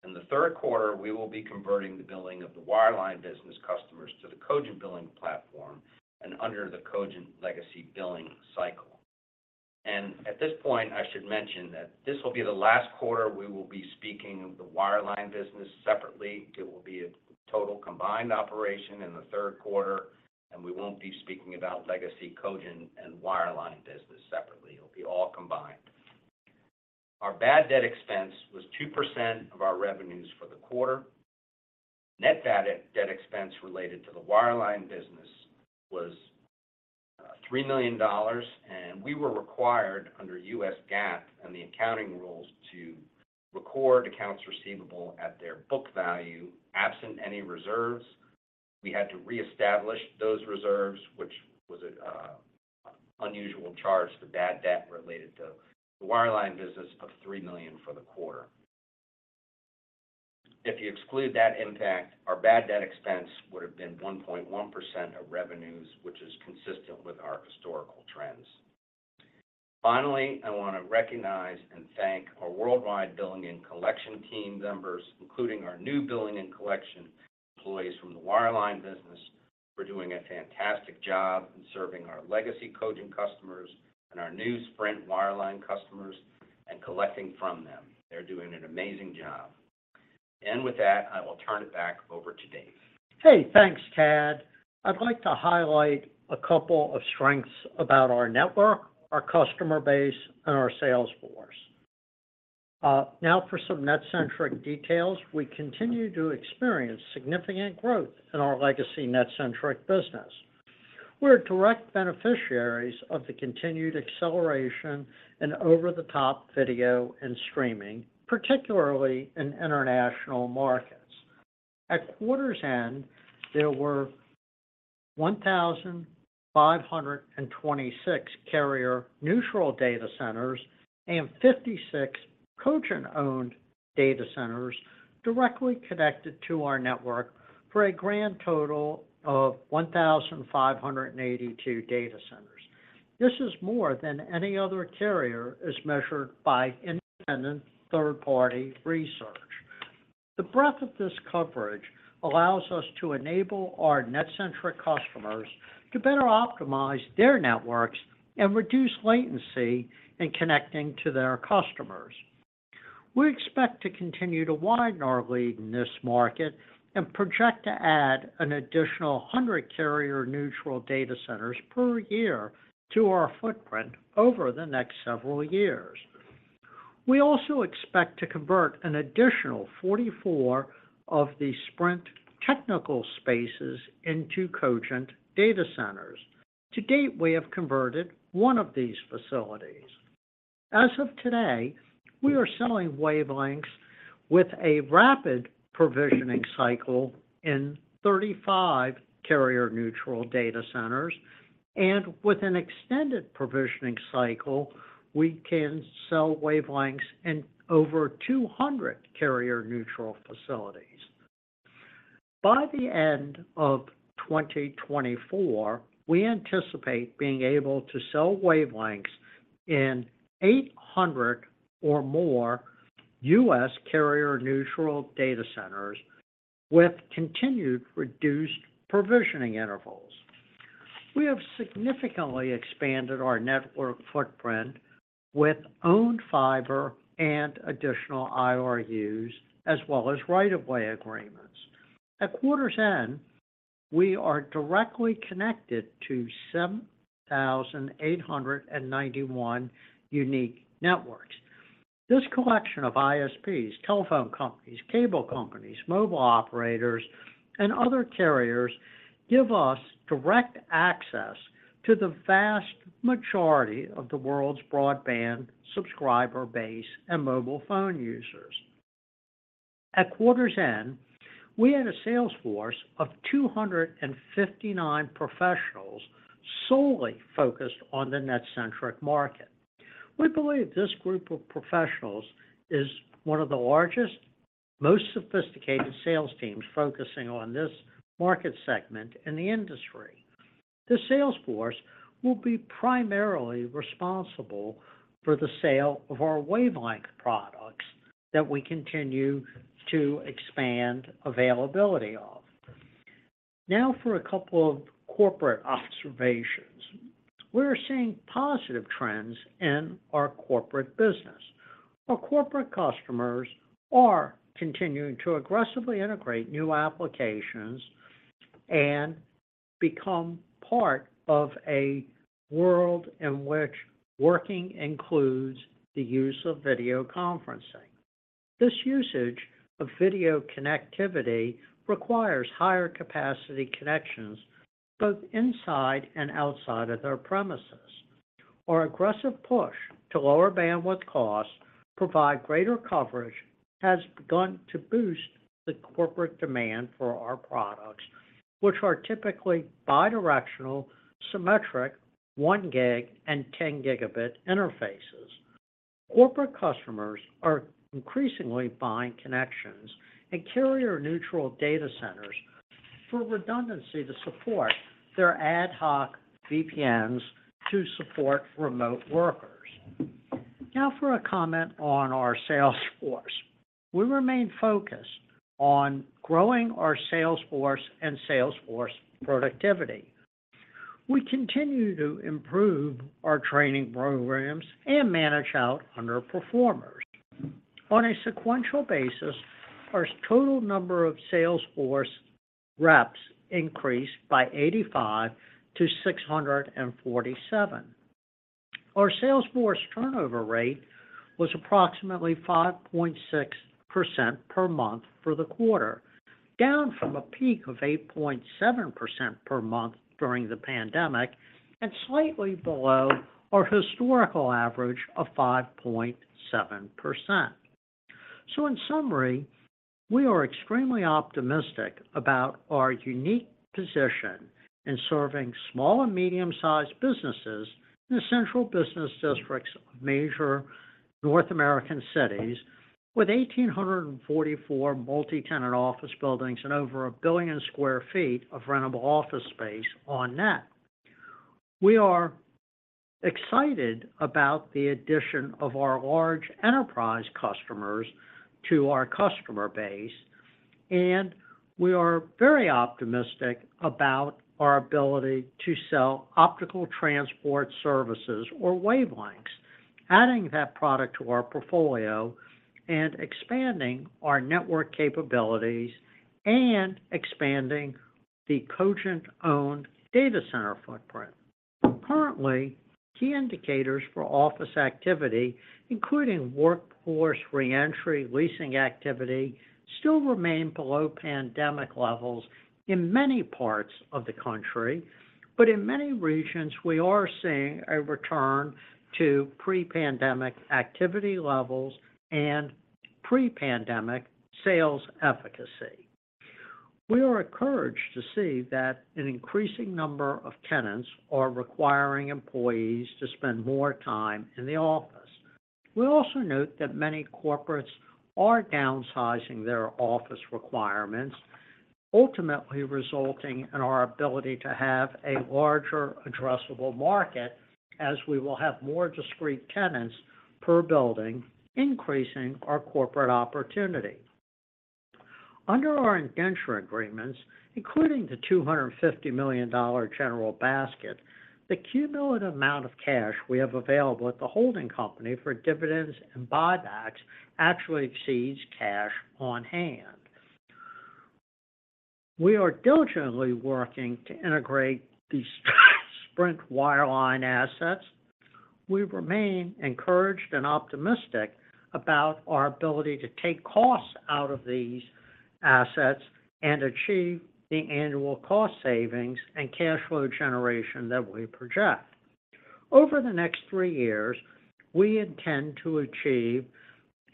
In the Q3, we will be converting the billing of the wireline business customers to the Cogent billing platform and under the Cogent legacy billing cycle. At this point, I should mention that this will be the last quarter we will be speaking of the wireline business separately. It will be a total combined operation in the Q3, and we won't be speaking about legacy Cogent and wireline business separately. It'll be all combined. Our bad debt expense was 2% of our revenues for the quarter. Net bad debt expense related to the wireline business was $3 million. We were required under US GAAP and the accounting rules to record accounts receivable at their book value, absent any reserves. We had to reestablish those reserves, which was a unusual charge for bad debt related to the wireline business of $3 million for the quarter. If you exclude that impact, our bad debt expense would have been 1.1% of revenues, which is consistent with our historical trends. Finally, I want to recognize and thank our worldwide billing and collection team members, including our new billing and collection employees from the wireline business, for doing a fantastic job in serving our legacy Cogent customers and our new Sprint wireline customers and collecting from them. They're doing an amazing job. With that, I will turn it back over to Dave. Hey, thanks, Thad. I'd like to highlight a couple of strengths about our network, our customer base, and our sales force. Now, for some NetCentric details. We continue to experience significant growth in our legacy NetCentric business. We're direct beneficiaries of the continued acceleration in over-the-top video and streaming, particularly in international markets. At quarter's end, there were 1,526 carrier-neutral data centers and 56 Cogent-owned data centers directly connected to our network, for a grand total of 1,582 data centers. This is more than any other carrier, as measured by independent third-party research. The breadth of this coverage allows us to enable our NetCentric customers to better optimize their networks and reduce latency in connecting to their customers. We expect to continue to widen our lead in this market and project to add an additional 100 carrier-neutral data centers per year to our footprint over the next several years. We also expect to convert an additional 44 of the Sprint technical spaces into Cogent data centers. To date, we have converted 1 of these facilities. As of today, we are selling Wavelengths with a rapid provisioning cycle in 35 carrier-neutral data centers, and with an extended provisioning cycle, we can sell Wavelengths in over 200 carrier-neutral facilities. By the end of 2024, we anticipate being able to sell Wavelengths in 800 or more U.S. carrier-neutral data centers with continued reduced provisioning intervals. We have significantly expanded our network footprint with owned fiber and additional IRUs, as well as right-of-way agreements. At quarter's end, we are directly connected to 7,891 unique networks. This collection of ISPs, telephone companies, cable companies, mobile operators, and other carriers give us direct access to the vast majority of the world's broadband subscriber base and mobile phone users. At quarter's end, we had a sales force of 259 professionals solely focused on the NetCentric market. We believe this group of professionals is one of the largest, most sophisticated sales teams focusing on this market segment in the industry. The sales force will be primarily responsible for the sale of our Wavelengths that we continue to expand availability of. Now, for a couple of corporate observations. We're seeing positive trends in our corporate business. Our corporate customers are continuing to aggressively integrate new applications and become part of a world in which working includes the use of video conferencing. This usage of video connectivity requires higher capacity connections, both inside and outside of their premises. Our aggressive push to lower bandwidth costs, provide greater coverage, has begun to boost the corporate demand for our products, which are typically bidirectional, symmetric, 1 gig and 10 gigabit interfaces. Corporate customers are increasingly buying connections and carrier-neutral data centers for redundancy to support their ad hoc VPNs to support remote workers. Now, for a comment on our sales force. We remain focused on growing our sales force and sales force productivity. We continue to improve our training programs and manage out underperformers. On a sequential basis, our total number of sales force reps increased by 85 to 647. Our sales force turnover rate was approximately 5.6% per month for the quarter, down from a peak of 8.7% per month during the pandemic, and slightly below our historical average of 5.7%. In summary, we are extremely optimistic about our unique position in serving small and medium-sized businesses in the central business districts of major North American cities, with 1,844 multi-tenant office buildings and over 1 billion sq ft of rentable office space on net. We are excited about the addition of our large enterprise customers to our customer base, and we are very optimistic about our ability to sell optical transport services or Wavelengths, adding that product to our portfolio and expanding our network capabilities and expanding the Cogent-owned data center footprint. Currently, key indicators for office activity, including workforce reentry, leasing activity, still remain below pandemic levels in many parts of the country. In many regions, we are seeing a return to pre-pandemic activity levels and pre-pandemic sales efficacy. We are encouraged to see that an increasing number of tenants are requiring employees to spend more time in the office. We also note that many corporates are downsizing their office requirements, ultimately resulting in our ability to have a larger addressable market, as we will have more discrete tenants per building, increasing our corporate opportunity. Under our indenture agreements, including the $250 million general basket, the cumulative amount of cash we have available at the holding company for dividends and buybacks actually exceeds cash on hand. We are diligently working to integrate the Sprint wireline assets. We remain encouraged and optimistic about our ability to take costs out of these assets and achieve the annual cost savings and cash flow generation that we project. Over the next 3 years, we intend to achieve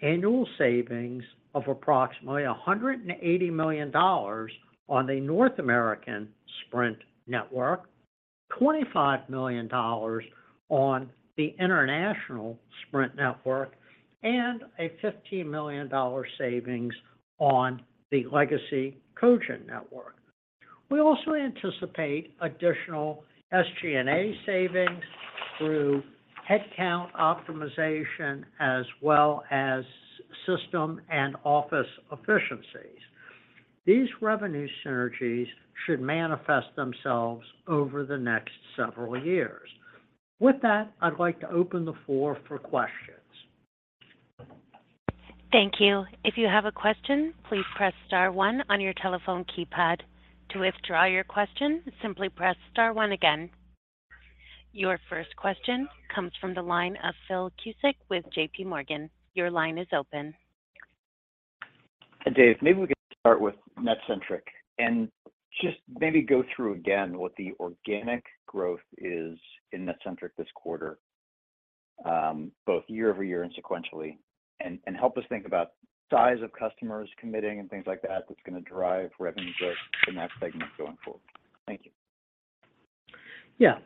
annual savings of approximately $180 million on the North American Sprint network, $25 million on the international Sprint network, and a $15 million savings on the legacy Cogent network. We also anticipate additional SG&A savings through headcount optimization, as well as system and office efficiencies. These revenue synergies should manifest themselves over the next several years. With that, I'd like to open the floor for questions. Thank you. If you have a question, please press star one on your telephone keypad. To withdraw your question, simply press star one again. Your first question comes from the line of Philip Cusick with JPMorgan. Your line is open. Hi, Dave. Maybe we can start with NetCentric, and just maybe go through again what the organic growth is in NetCentric this quarter, both year-over-year and sequentially, and help us think about size of customers committing and things like that, that's going to drive revenue growth in that segment going forward? Thank you. Yeah.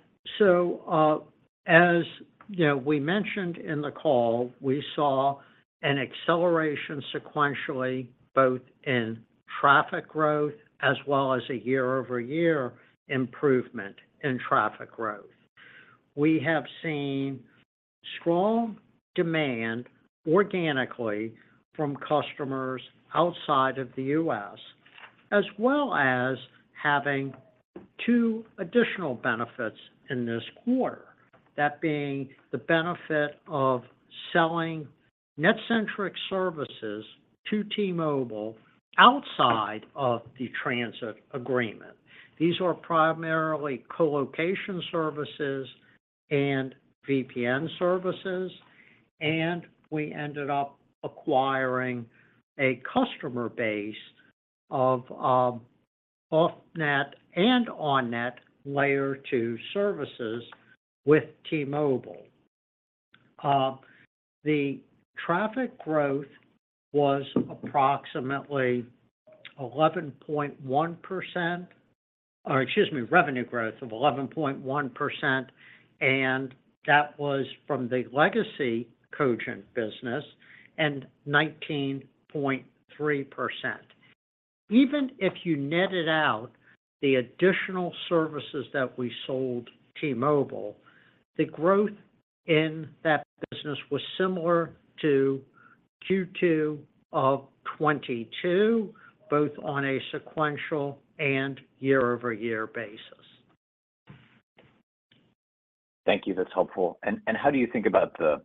As, you know, we mentioned in the call, we saw an acceleration sequentially, both in traffic growth as well as a year-over-year improvement in traffic growth. We have seen strong demand organically from customers outside of the U.S., as well as having two additional benefits in this quarter. That being the benefit of selling NetCentric services to T-Mobile outside of the transit agreement. These are primarily co-location services and VPN services, and we ended up acquiring a customer base of off-net and on-net Layer two services with T-Mobile. The traffic growth was approximately 11.1%, or excuse me, revenue growth of 11.1%, and that was from the legacy Cogent business, and 19.3%. Even if you netted out the additional services that we sold T-Mobile, the growth in that business was similar to Q2 of 2022, both on a sequential and year-over-year basis. Thank you. That's helpful. How do you think about the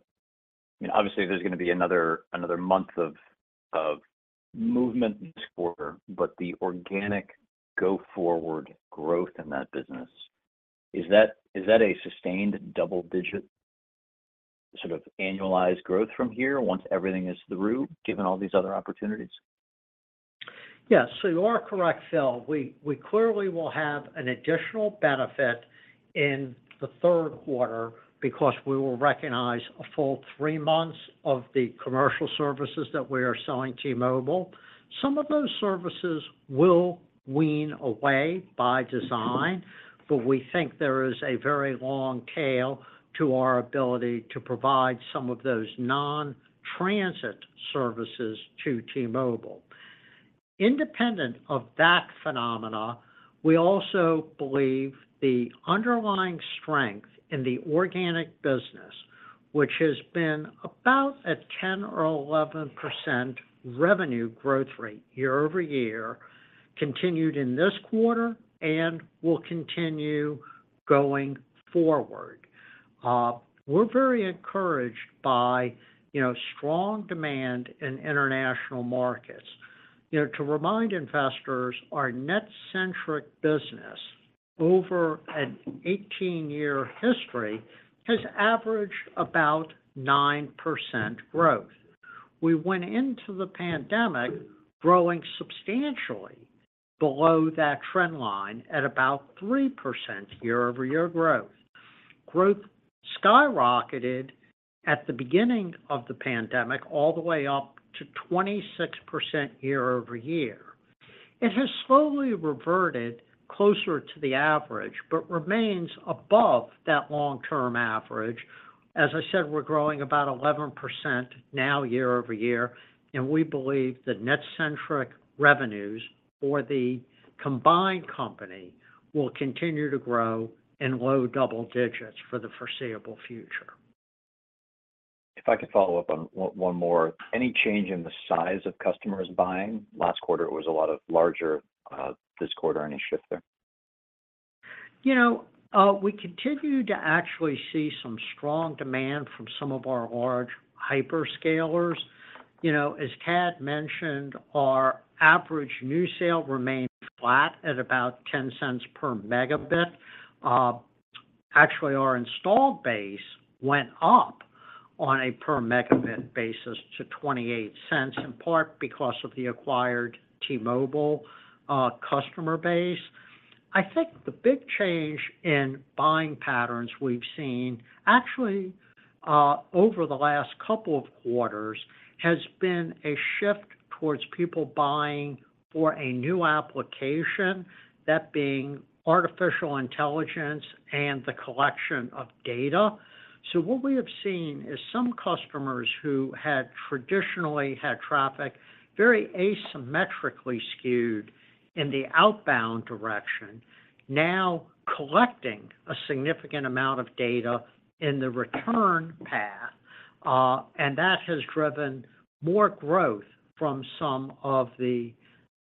obviously, there's going to be another month of movement this quarter, but the organic go-forward growth in that business, is that, is that a sustained double-digit sort of annualized growth from here once everything is through, given all these other opportunities? Yeah. You are correct, Phil. We, we clearly will have an additional benefit in the Q3 because we will recognize a full three months of the commercial services that we are selling T-Mobile. Some of those services will wean away by design, but we think there is a very long tail to our ability to provide some of those non-transit services to T-Mobile. Independent of that phenomena, we also believe the underlying strength in the organic business, which has been about a 10% or 11% revenue growth rate year-over-year, continued in this quarter and will continue going forward. We're very encouraged by, you know, strong demand in international markets. You know, to remind investors, our NetCentric business, over an 18-year history, has averaged about 9% growth. We went into the pandemic growing substantially below that trend line, at about 3% year-over-year growth. Growth skyrocketed at the beginning of the pandemic, all the way up to 26% year-over-year. It has slowly reverted closer to the average, but remains above that long-term average. As I said, we're growing about 11% now year-over-year, and we believe that NetCentric revenues for the combined company will continue to grow in low double digits for the foreseeable future. If I could follow up on one, one more. Any change in the size of customers buying? Last quarter, it was a lot of larger, this quarter. Any shift there? You know, we continue to actually see some strong demand from some of our large hyperscalers. You know, as Thad mentioned, our average new sale remained flat at about $0.10 per megabit. Actually, our installed base went up on a per megabit basis to $0.28, in part because of the acquired T-Mobile customer base. I think the big change in buying patterns we've seen, actually, over the last couple of quarters, has been a shift towards people buying for a new application, that being artificial intelligence and the collection of data. What we have seen is some customers who had traditionally had traffic very asymmetrically skewed in the outbound direction, now collecting a significant amount of data in the return path, and that has driven more growth from some of the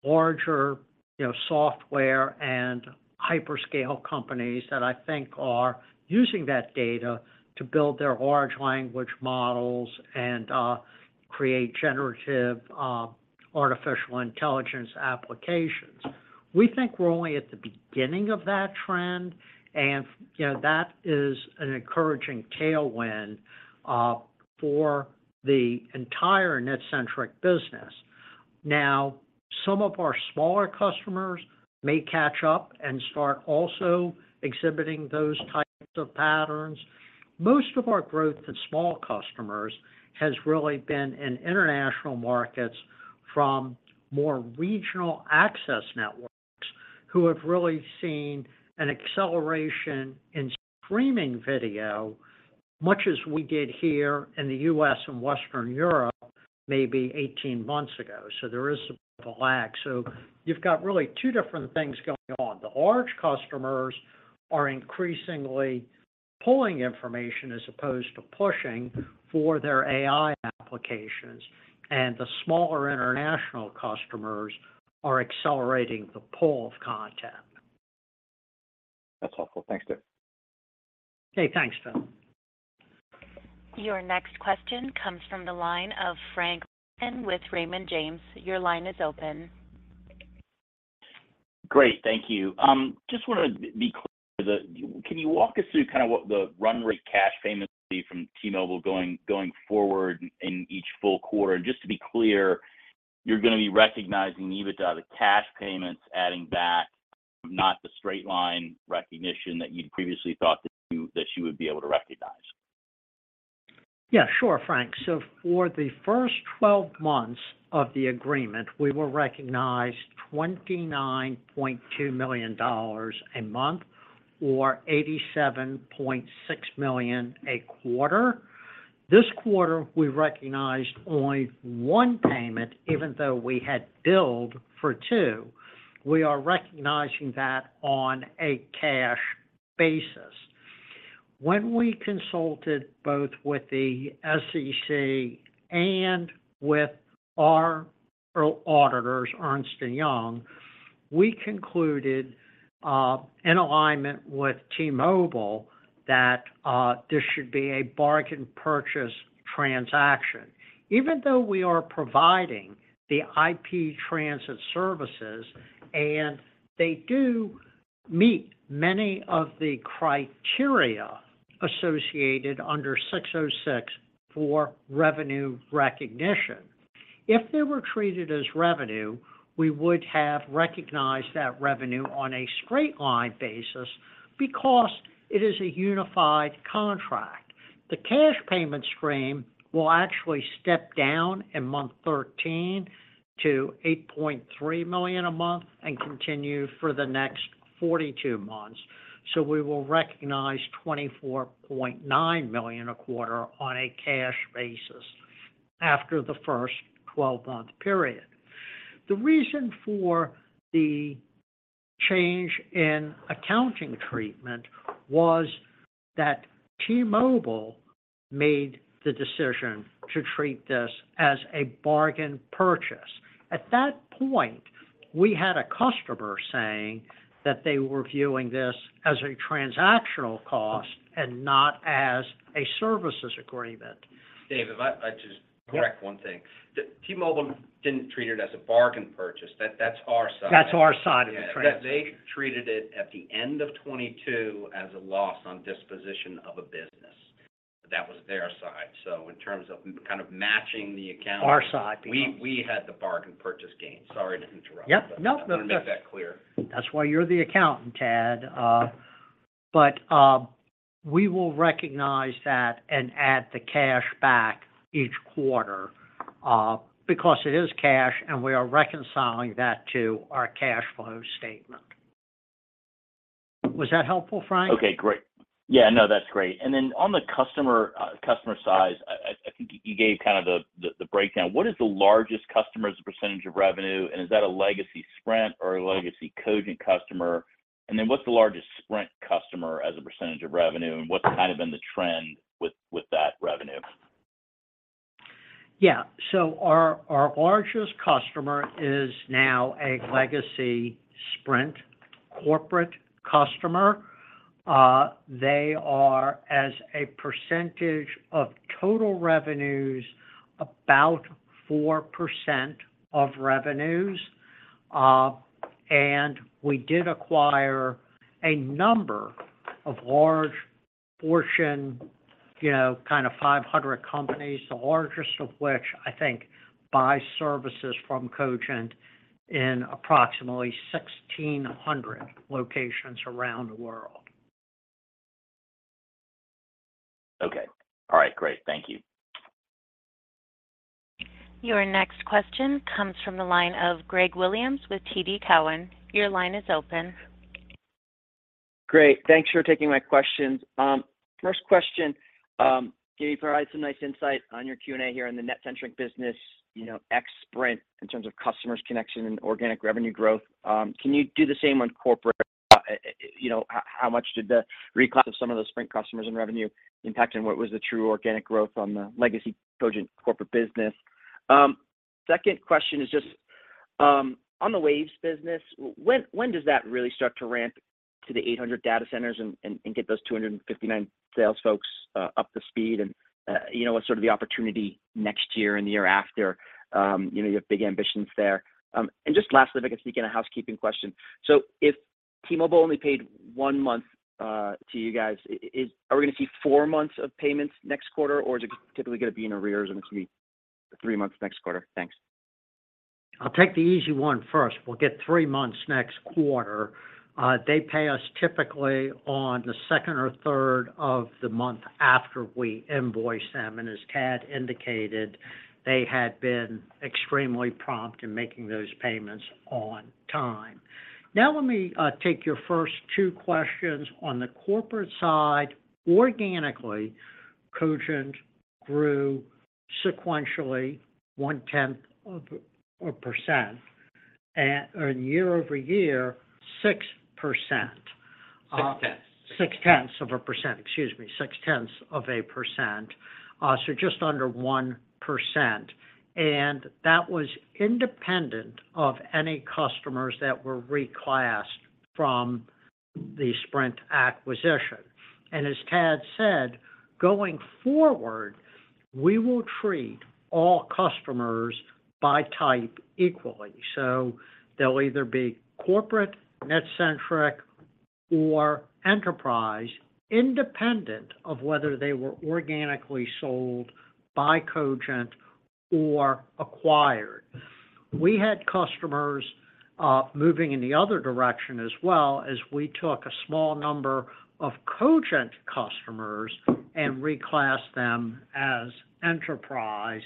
larger, you know, software and hyperscale companies, that I think are using that data to build their large language models and create generative artificial intelligence applications. We think we're only at the beginning of that trend, and, you know, that is an encouraging tailwind for the entire NetCentric business. Now, some of our smaller customers may catch up and start also exhibiting those types of patterns. Most of our growth in small customers has really been in international markets from more regional access networks, who have really seen an acceleration in streaming video, much as we did here in the U.S. and Western Europe, maybe 18 months ago. There is a lag. You've got really two different things going on. The large customers are increasingly pulling information as opposed to pushing for their AI applications, and the smaller international customers are accelerating the pull of content. That's helpful. Thanks, Dave. Okay, thanks, Phil. Your next question comes from the line of Frank Louthan with Raymond James. Your line is open. Great. Thank you. Just want to be clear, can you walk us through kind of what the run rate cash payments will be from T-Mobile going, going forward in each full quarter? Just to be clear, you're going to be recognizing EBITDA, the cash payments, adding back, not the straight line recognition that you'd previously thought that you, that you would be able to recognize. For the first 12 months of the agreement, we will recognize $29.2 million a month, or $87.6 million a quarter. This quarter, we recognized only one payment, even though we had billed for two. We are recognizing that on a cash basis. When we consulted both with the SEC and with our auditors, Ernst & Young, we concluded, in alignment with T-Mobile, that this should be a bargain purchase transaction. Even though we are providing the IP transit services, and they do meet many of the criteria associated under ASC 606 for revenue recognition, if they were treated as revenue, we would have recognized that revenue on a straight line basis because it is a unified contract. The cash payment stream will actually step down in month 13 to $8.3 million a month and continue for the next 42 months. We will recognize $24.9 million a quarter on a cash basis after the first 1two month period. The reason for the change in accounting treatment was that T-Mobile made the decision to treat this as a bargain purchase. At that point, we had a customer saying that they were viewing this as a transactional cost and not as a services agreement. Dave, if I just Yeah. correct one thing. T-Mobile didn't treat it as a bargain purchase, that, that's our side. That's our side of the transaction. They treated it at the end of 2022 as a loss on disposition of a business. That was their side. In terms of kind of matching the accounting- Our side. We, we had the bargain purchase gain. Sorry to interrupt. Yeah, no. I want to make that clear. That's why you're the accountant, Thad. We will recognize that and add the cash back each quarter, because it is cash, and we are reconciling that to our cash flow statement. Was that helpful, Frank? Okay, great. Yeah, no, that's great. On the customer side, I think you gave kind of the breakdown. What is the largest customer as a percentage of revenue, and is that a legacy Sprint or a legacy Cogent customer? What's the largest Sprint customer as a percentage of revenue, and what's kind of been the trend with that revenue? Yeah. Our, our largest customer is now a legacy Sprint corporate customer. They are, as a percentage of total revenues, about 4% of revenues. We did acquire a number of large Fortune, you know, kind of 500 companies, the largest of which I think, buy services from Cogent in approximately 1,600 locations around the world. Okay. All right. Great. Thank you. Your next question comes from the line of Gregory Williams with TD Cowen. Your line is open. Great. Thanks for taking my questions. First question, you provided some nice insight on your Q&A here in the NetCentric business, you know, ex Sprint, in terms of customers connection and organic revenue growth. Can you do the same on corporate? You know, how much did the reclass of some of the Sprint customers and revenue impact, and what was the true organic growth on the legacy Cogent corporate business? Second question is just on the Waves business, when, when does that really start to ramp to the 800 data centers and get those 259 sales folks up to speed, and you know, what's sort of the opportunity next year and the year after? You know, you have big ambitions there. Just lastly, if I could sneak in a housekeeping question. T-Mobile only paid one month to you guys. Are we going to see 4 months of payments next quarter, or is it typically going to be in arrears, and it's going to be three months next quarter? Thanks. I'll take the easy one first. We'll get three months next quarter. They pay us typically on the 2nd or 3rd of the month after we invoice them, and as Thad indicated, they had been extremely prompt in making those payments on time. Now, let me take your first two questions. On the corporate side, organically, Cogent grew sequentially 0.1%, and year-over-year, 6%. Six-tenths. 0.6%, excuse me. 0.6%, so just under 1%, that was independent of any customers that were reclassed from the Sprint acquisition. As Thad said, going forward, we will treat all customers by type equally. They'll either be corporate, NetCentric, or enterprise, independent of whether they were organically sold by Cogent or acquired. We had customers moving in the other direction as well, as we took a small number of Cogent customers and reclassed them as enterprise.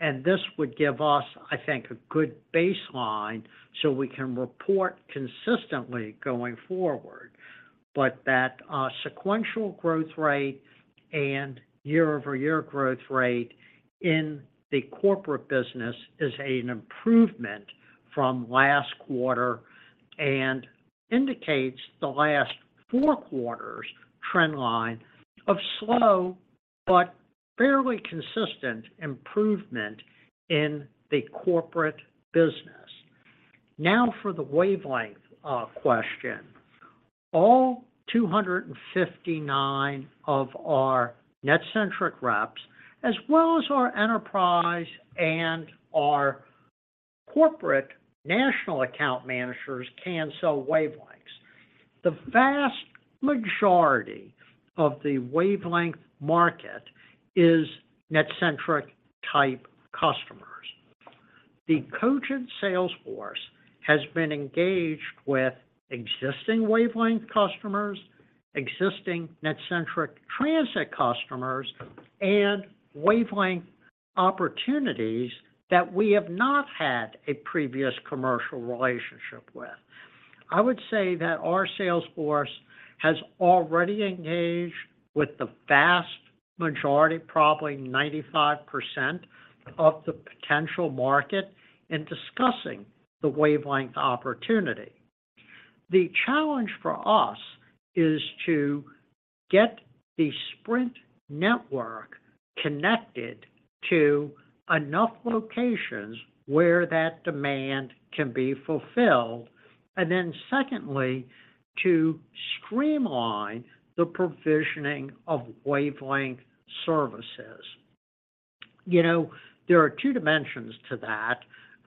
This would give us, I think, a good baseline so we can report consistently going forward. That sequential growth rate and year-over-year growth rate in the corporate business is an improvement from last quarter and indicates the last four quarters trend line of slow but fairly consistent improvement in the corporate business. Now, for the wavelength question. All 259 of our NetCentric reps, as well as our enterprise and our corporate national account managers, can sell wavelengths. The vast majority of the wavelength market is NetCentric-type customers. The Cogent sales force has been engaged with existing wavelength customers, existing NetCentric transit customers, and wavelength opportunities that we have not had a previous commercial relationship with. I would say that our sales force has already engaged with the vast majority, probably 95%, of the potential market in discussing the wavelength opportunity. The challenge for us is to get the Sprint network connected to enough locations where that demand can be fulfilled, and then secondly, to streamline the provisioning of wavelength services. You know, there are two dimensions to that.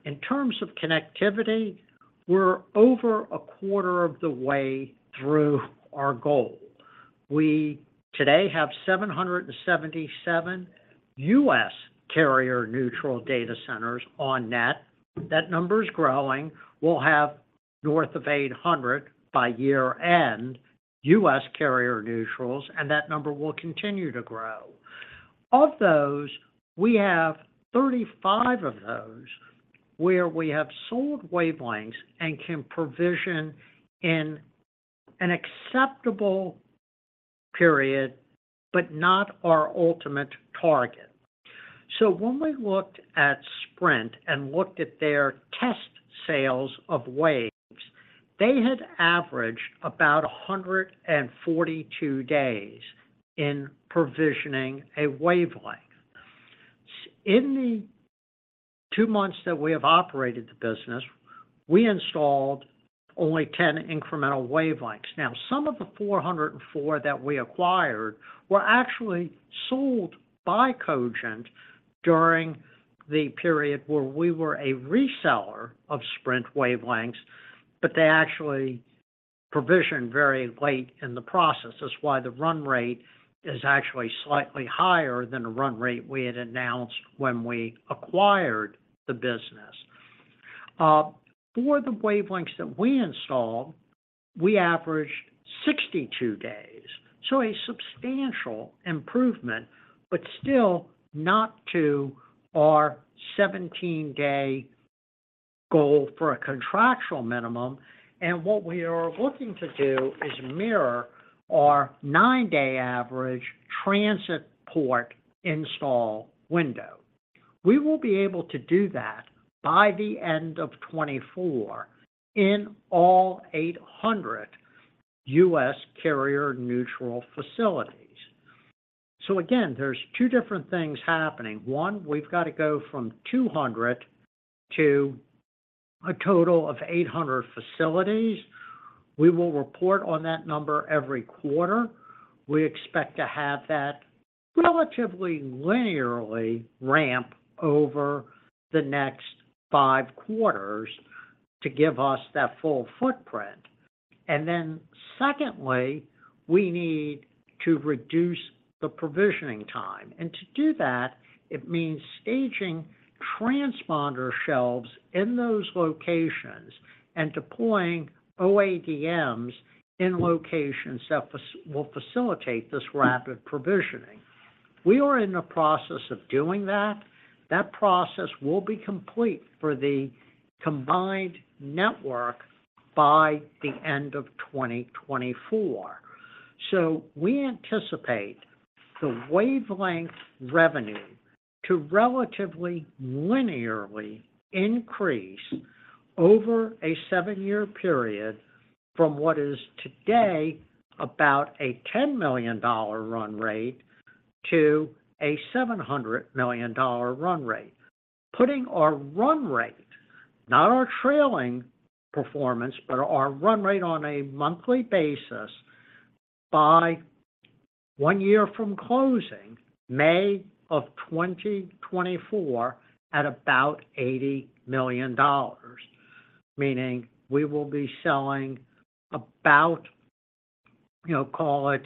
In terms of connectivity, we're over a quarter of the way through our goal. We today have 777 U.S. carrier-neutral data centers on net. That number is growing. We'll have north of 800 by year-end, U.S. carrier neutrals, and that number will continue to grow. Of those, we have 35 of those where we have sold Wavelengths and can provision in an acceptable period, but not our ultimate target. When we looked at Sprint and looked at their test sales of waves, they had averaged about 142 days in provisioning a Wavelength. In the 2 months that we have operated the business, we installed only 10 incremental Wavelengths. Now, some of the 404 that we acquired were actually sold by Cogent during the period where we were a reseller of Sprint Wavelengths, but they actually provisioned very late in the process. That's why the run rate is actually slightly higher than the run rate we had announced when we acquired the business. For the Wavelengths that we installed, we averaged 62 days. A substantial improvement, but still not to our 17-day goal for a contractual minimum, and what we are looking to do is mirror our 9-day average transit port install window. We will be able to do that by the end of 2024 in all 800 U.S. carrier-neutral facilities. Again, there's two different things happening. One, we've got to go from 200 to a total of 800 facilities. We will report on that number every quarter. We expect to have that relatively linearly ramp over the next 5 quarters to give us that full footprint. Then secondly, we need to reduce the provisioning time. To do that, it means staging transponder shelves in those locations and deploying OADMs in locations that will facilitate this rapid provisioning. We are in the process of doing that. That process will be complete for the combined network by the end of 2024. We anticipate the wavelength revenue to relatively linearly increase over a 7-year period from what is today, about a $10 million run rate to a $700 million run rate. Putting our run rate, not our trailing performance, but our run rate on a monthly basis by 1 year from closing, May of 2024, at about $80 million, meaning we will be selling about, you know, call it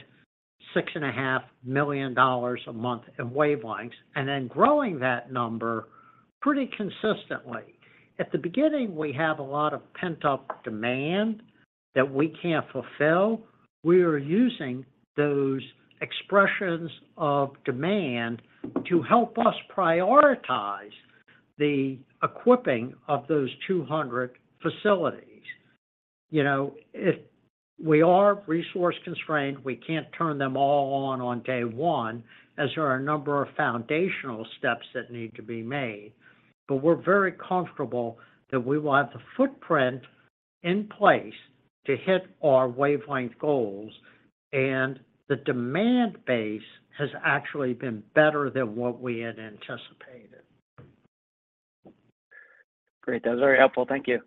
$6.5 million a month in wavelengths, and then growing that number pretty consistently. At the beginning, we have a lot of pent-up demand that we can't fulfill. We are using those expressions of demand to help us prioritize the equipping of those 200 facilities. You know, if we are resource constrained, we can't turn them all on day one, as there are a number of foundational steps that need to be made. We're very comfortable that we will have the footprint in place to hit our Wavelength goals, and the demand base has actually been better than what we had anticipated. Great. That was very helpful. Thank you.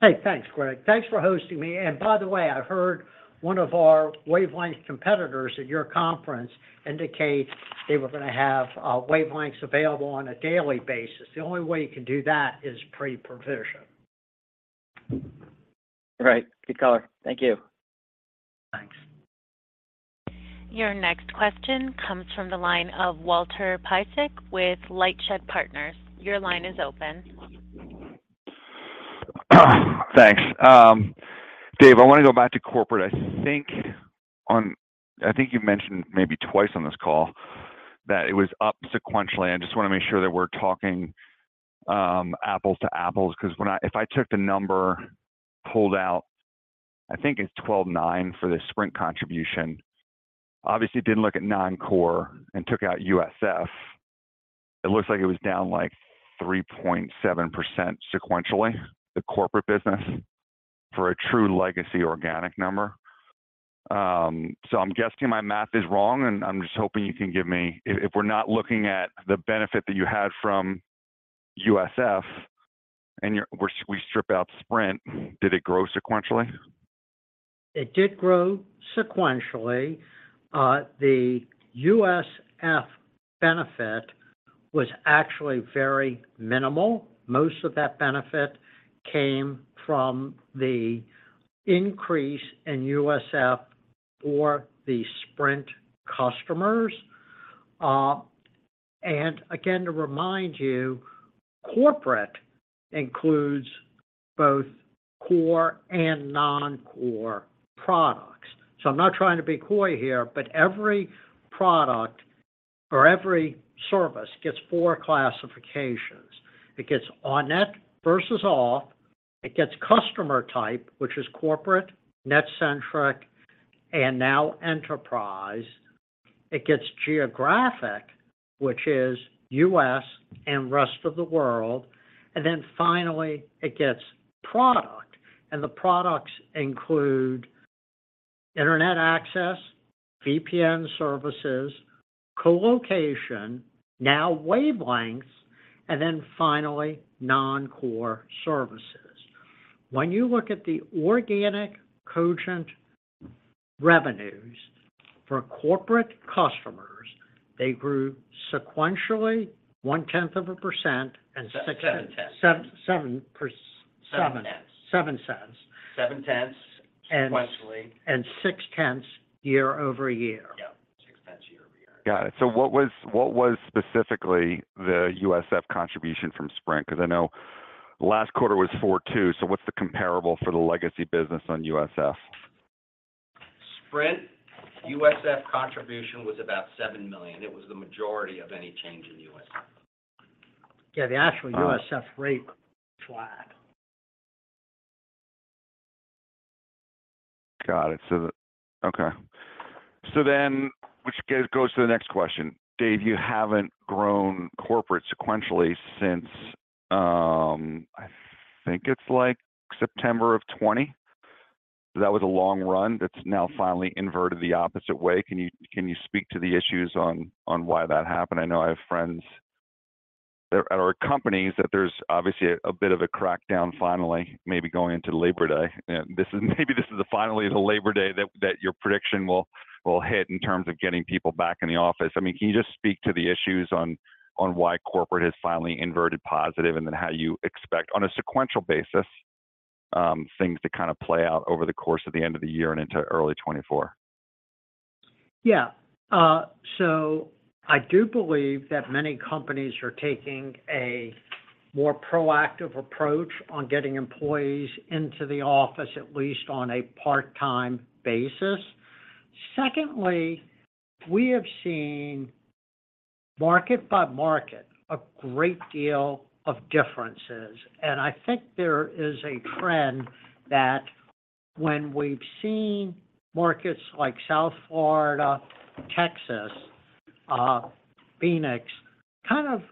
Hey, thanks, Greg. Thanks for hosting me, and by the way, I've heard one of our wavelength competitors at your conference indicate they were gonna have, wavelengths available on a daily basis. The only way you can do that is pre-provision. Right. Good color. Thank you. Thanks. Your next question comes from the line of Walter Piecyk with LightShed Partners. Your line is open. Thanks. Dave, I want to go back to corporate. I think you've mentioned maybe two on this call that it was up sequentially. I just want to make sure that we're talking apples to apples, because when if I took the number pulled out, I think it's $12.9 for the Sprint contribution. Obviously, didn't look at non-core and took out USF. It looks like it was down, like, 3.7% sequentially, the corporate business, for a true legacy organic number. I'm guessing my math is wrong, and I'm just hoping you can give me. If we're not looking at the benefit that you had from USF, and we strip out Sprint, did it grow sequentially? It did grow sequentially. The USF benefit was actually very minimal. Most of that benefit came from the increase in USF for the Sprint customers. Again, to remind you, corporate includes both core and non-core products. I'm not trying to be coy here, but every product or every service gets 4 classifications. It gets on net versus off, it gets customer type, which is corporate, net-centric, and now enterprise. It gets geographic, which is US and rest of the world, and then finally, it gets product. The products include internet access, VPN services, colocation, now Wavelengths, and then finally, non-core services. When you look at the organic Cogent revenues for corporate customers, they grew sequentially, 0.1% and six 0.7. 7, 7. 0.7. 0.7. 0.7, sequentially. six tenths year-over-year. Yeah, 0.6 year-over-year. Got it. What was, what was specifically the USF contribution from Sprint? Because I know last quarter was $4.2, so what's the comparable for the legacy business on USF? Sprint, USF contribution was about $7 million. It was the majority of any change in USF. Yeah. USF rate flagged. Got it. Okay. Which goes, goes to the next question. Dave, you haven't grown corporate sequentially since, I think it's like September of 2020. That was a long run that's now finally inverted the opposite way. Can you, can you speak to the issues on, on why that happened? I know I have friends at our companies, that there's obviously a, a bit of a crackdown finally, maybe going into Labor Day. This is maybe this is the finally the Labor Day that, that your prediction will, will hit in terms of getting people back in the office. I mean, can you just speak to the issues on, on why corporate has finally inverted positive, and then how you expect, on a sequential basis, things to kind of play out over the course of the end of the year and into early 2024? Yeah. I do believe that many companies are taking a more proactive approach on getting employees into the office, at least on a part-time basis. Secondly, we have seen, market by market, a great deal of differences, and I think there is a trend that when we've seen markets like South Florida, Texas, Phoenix, kind of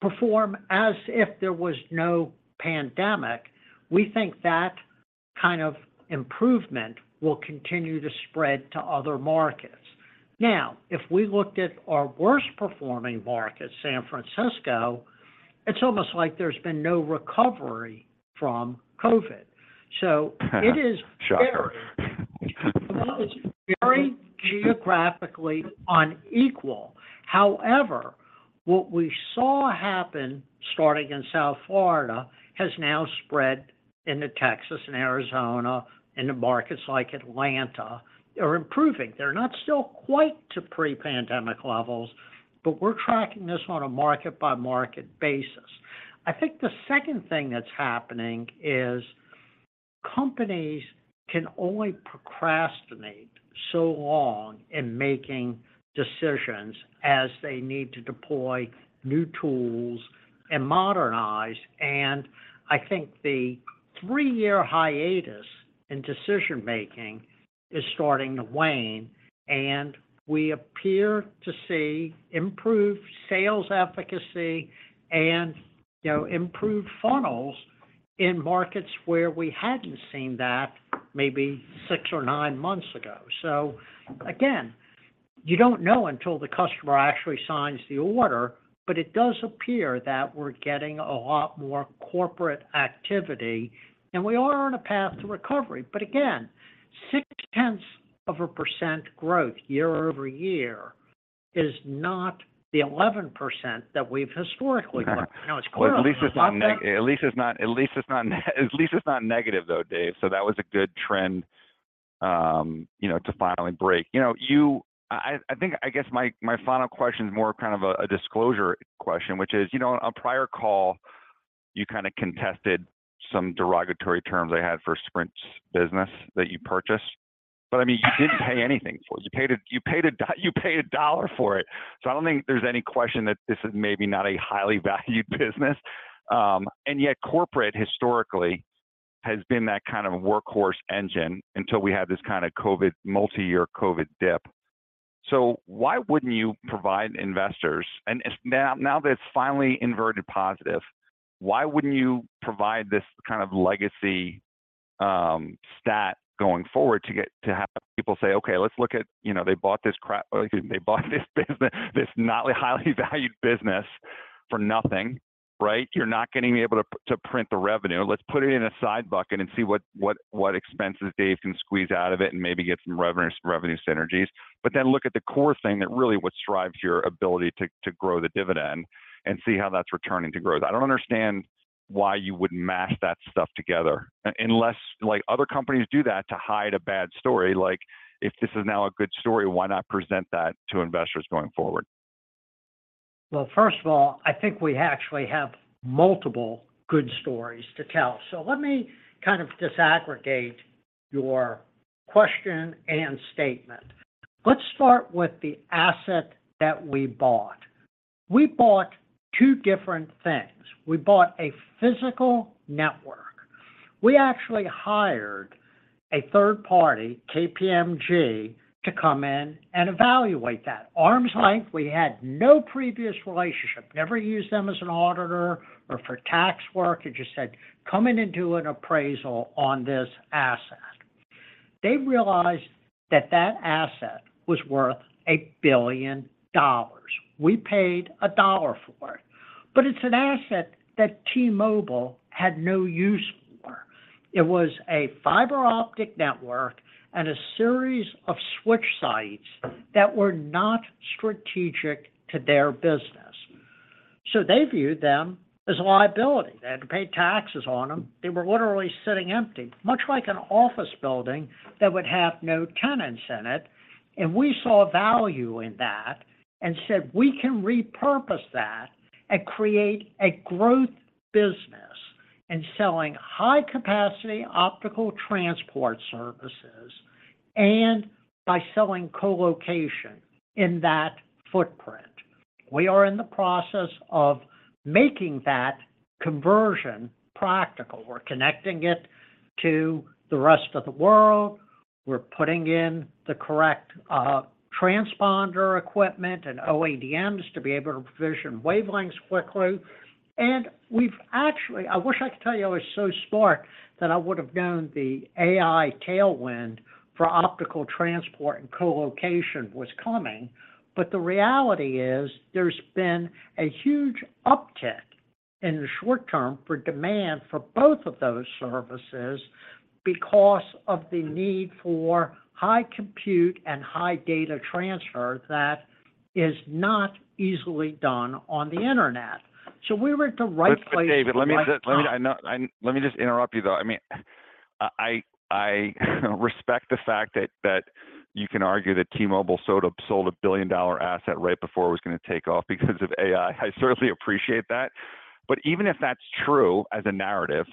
perform as if there was no pandemic, we think that kind of improvement will continue to spread to other markets. Now, if we looked at our worst-performing market, San Francisco, it's almost like there's been no recovery from COVID. Shocker It is very, very geographically unequal. What we saw happen, starting in South Florida, has now spread into Texas and Arizona, and the markets like Atlanta are improving. They're not still quite to pre-pandemic levels, but we're tracking this on a market-by-market basis. I think the second thing that's happening is, companies can only procrastinate so long in making decisions as they need to deploy new tools and modernize and I think the three year hiatus in decision-making is starting to wane And we appear to see improved sales efficacy and, you know, improved funnels in markets where we hadn't seen that maybe six or nine months ago. Again, you don't know until the customer actually signs the order, but it does appear that we're getting a lot more corporate activity, and we are on a path to recovery. Again, 0.6% growth year over year is not the 11% that we've historically grown. I know it's clear Well, at least it's not, at least it's not, at least it's not negative though, Dave, so that was a good trend, you know, to finally break. You know I think, I guess my final question is more kind of a disclosure question, which is, you know, on a prior call, you kinda contested some derogatory terms I had for Sprint's business that you purchased. I mean, you didn't pay anything for it. You paid, you paid $1 for it. I don't think there's any question that this is maybe not a highly valued business. Yet corporate, historically, has been that kind of workhorse engine until we had this kind of COVID, multi-year COVID dip. Why wouldn't you provide investors. Now, now that it's finally inverted positive, why wouldn't you provide this kind of legacy stat going forward to have people say, "Okay, let's look at, you know, they bought this crap" or, excuse me, "They bought this business, this not highly valued business for nothing," right? You're not gonna be able to print the revenue. Let's put it in a side bucket and see what, what, what expenses Dave can squeeze out of it and maybe get some revenue, revenue synergies. Then look at the core thing that really what drives your ability to, to grow the dividend and see how that's returning to growth. I don't understand why you wouldn't mash that stuff together, unless, like, other companies do that to hide a bad story. Like, if this is now a good story, why not present that to investors going forward? Well, first of all, I think we actually have multiple good stories to tell. Let me kind of disaggregate your question and statement. Let's start with the asset that we bought. We bought two different things. We bought a physical network. We actually hired a 3rd party, KPMG, to come in and evaluate that. Arm's length, we had no previous relationship, never used them as an auditor or for tax work. It just said, "Come in and do an appraisal on this asset." They realized that that asset was worth $1 billion. We paid $1 for it, but it's an asset that T-Mobile had no use for. It was a fiber optic network and a series of switch sites that were not strategic to their business. They viewed them as a liability. They had to pay taxes on them. They were literally sitting empty, much like an office building that would have no tenants in it. We saw value in that and said, "We can repurpose that and create a growth business in selling high-capacity optical transport services and by selling colocation in that footprint." We are in the process of making that conversion practical. We're connecting it to the rest of the world. We're putting in the correct transponder equipment and OADMs to be able to provision wavelengths quickly. We've actually I wish I could tell you I was so smart that I would've known the AI tailwind for optical transport and colocation was coming, but the reality is, there's been a huge uptick in the short term for demand for both of those services because of the need for high compute and high data transfer that is not easily done on the internet. We were at the right place at the right time. David, let me just interrupt you, though. I mean, I respect the fact that you can argue that T-Mobile sold a $1 billion asset right before it was gonna take off because of AI. I certainly appreciate that. Even if that's true as a narrative,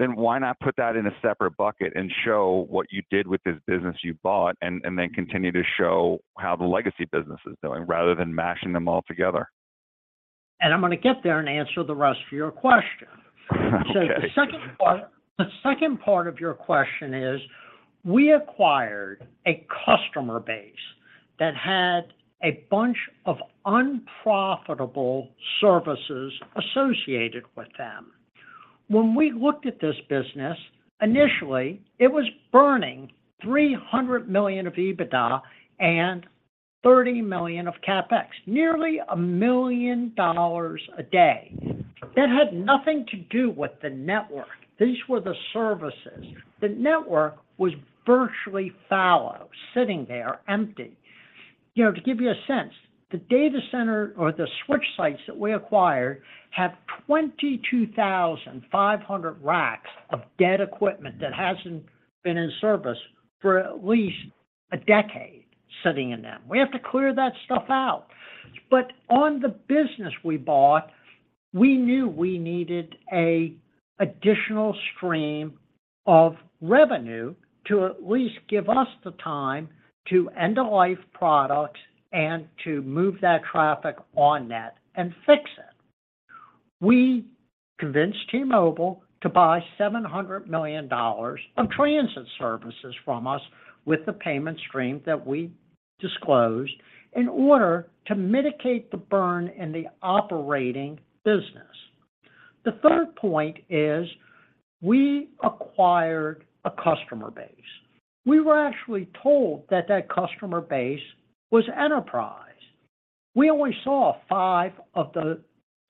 then why not put that in a separate bucket and show what you did with this business you bought, and then continue to show how the legacy business is doing, rather than mashing them all together? I'm gonna get there and answer the rest of your question. Okay. The second part, the second part of your question is, we acquired a customer base that had a bunch of unprofitable services associated with them. When we looked at this business, initially, it was burning $300 million of EBITDA and $30 million of CapEx, nearly $1 million a day. That had nothing to do with the network. These were the services. The network was virtually fallow, sitting there empty. You know, to give you a sense, the data center or the switch sites that we acquired have 22,500 racks of dead equipment that hasn't been in service for at least a decade, sitting in them. We have to clear that stuff out. On the business we bought, we knew we needed a additional stream of revenue to at least give us the time to end-of-life products and to move that traffic on net and fix it. We convinced T-Mobile to buy $700 million of transit services from us, with the payment stream that we disclosed, in order to mitigate the burn in the operating business. The third point is, we acquired a customer base. We were actually told that that customer base was enterprise. We only saw five of the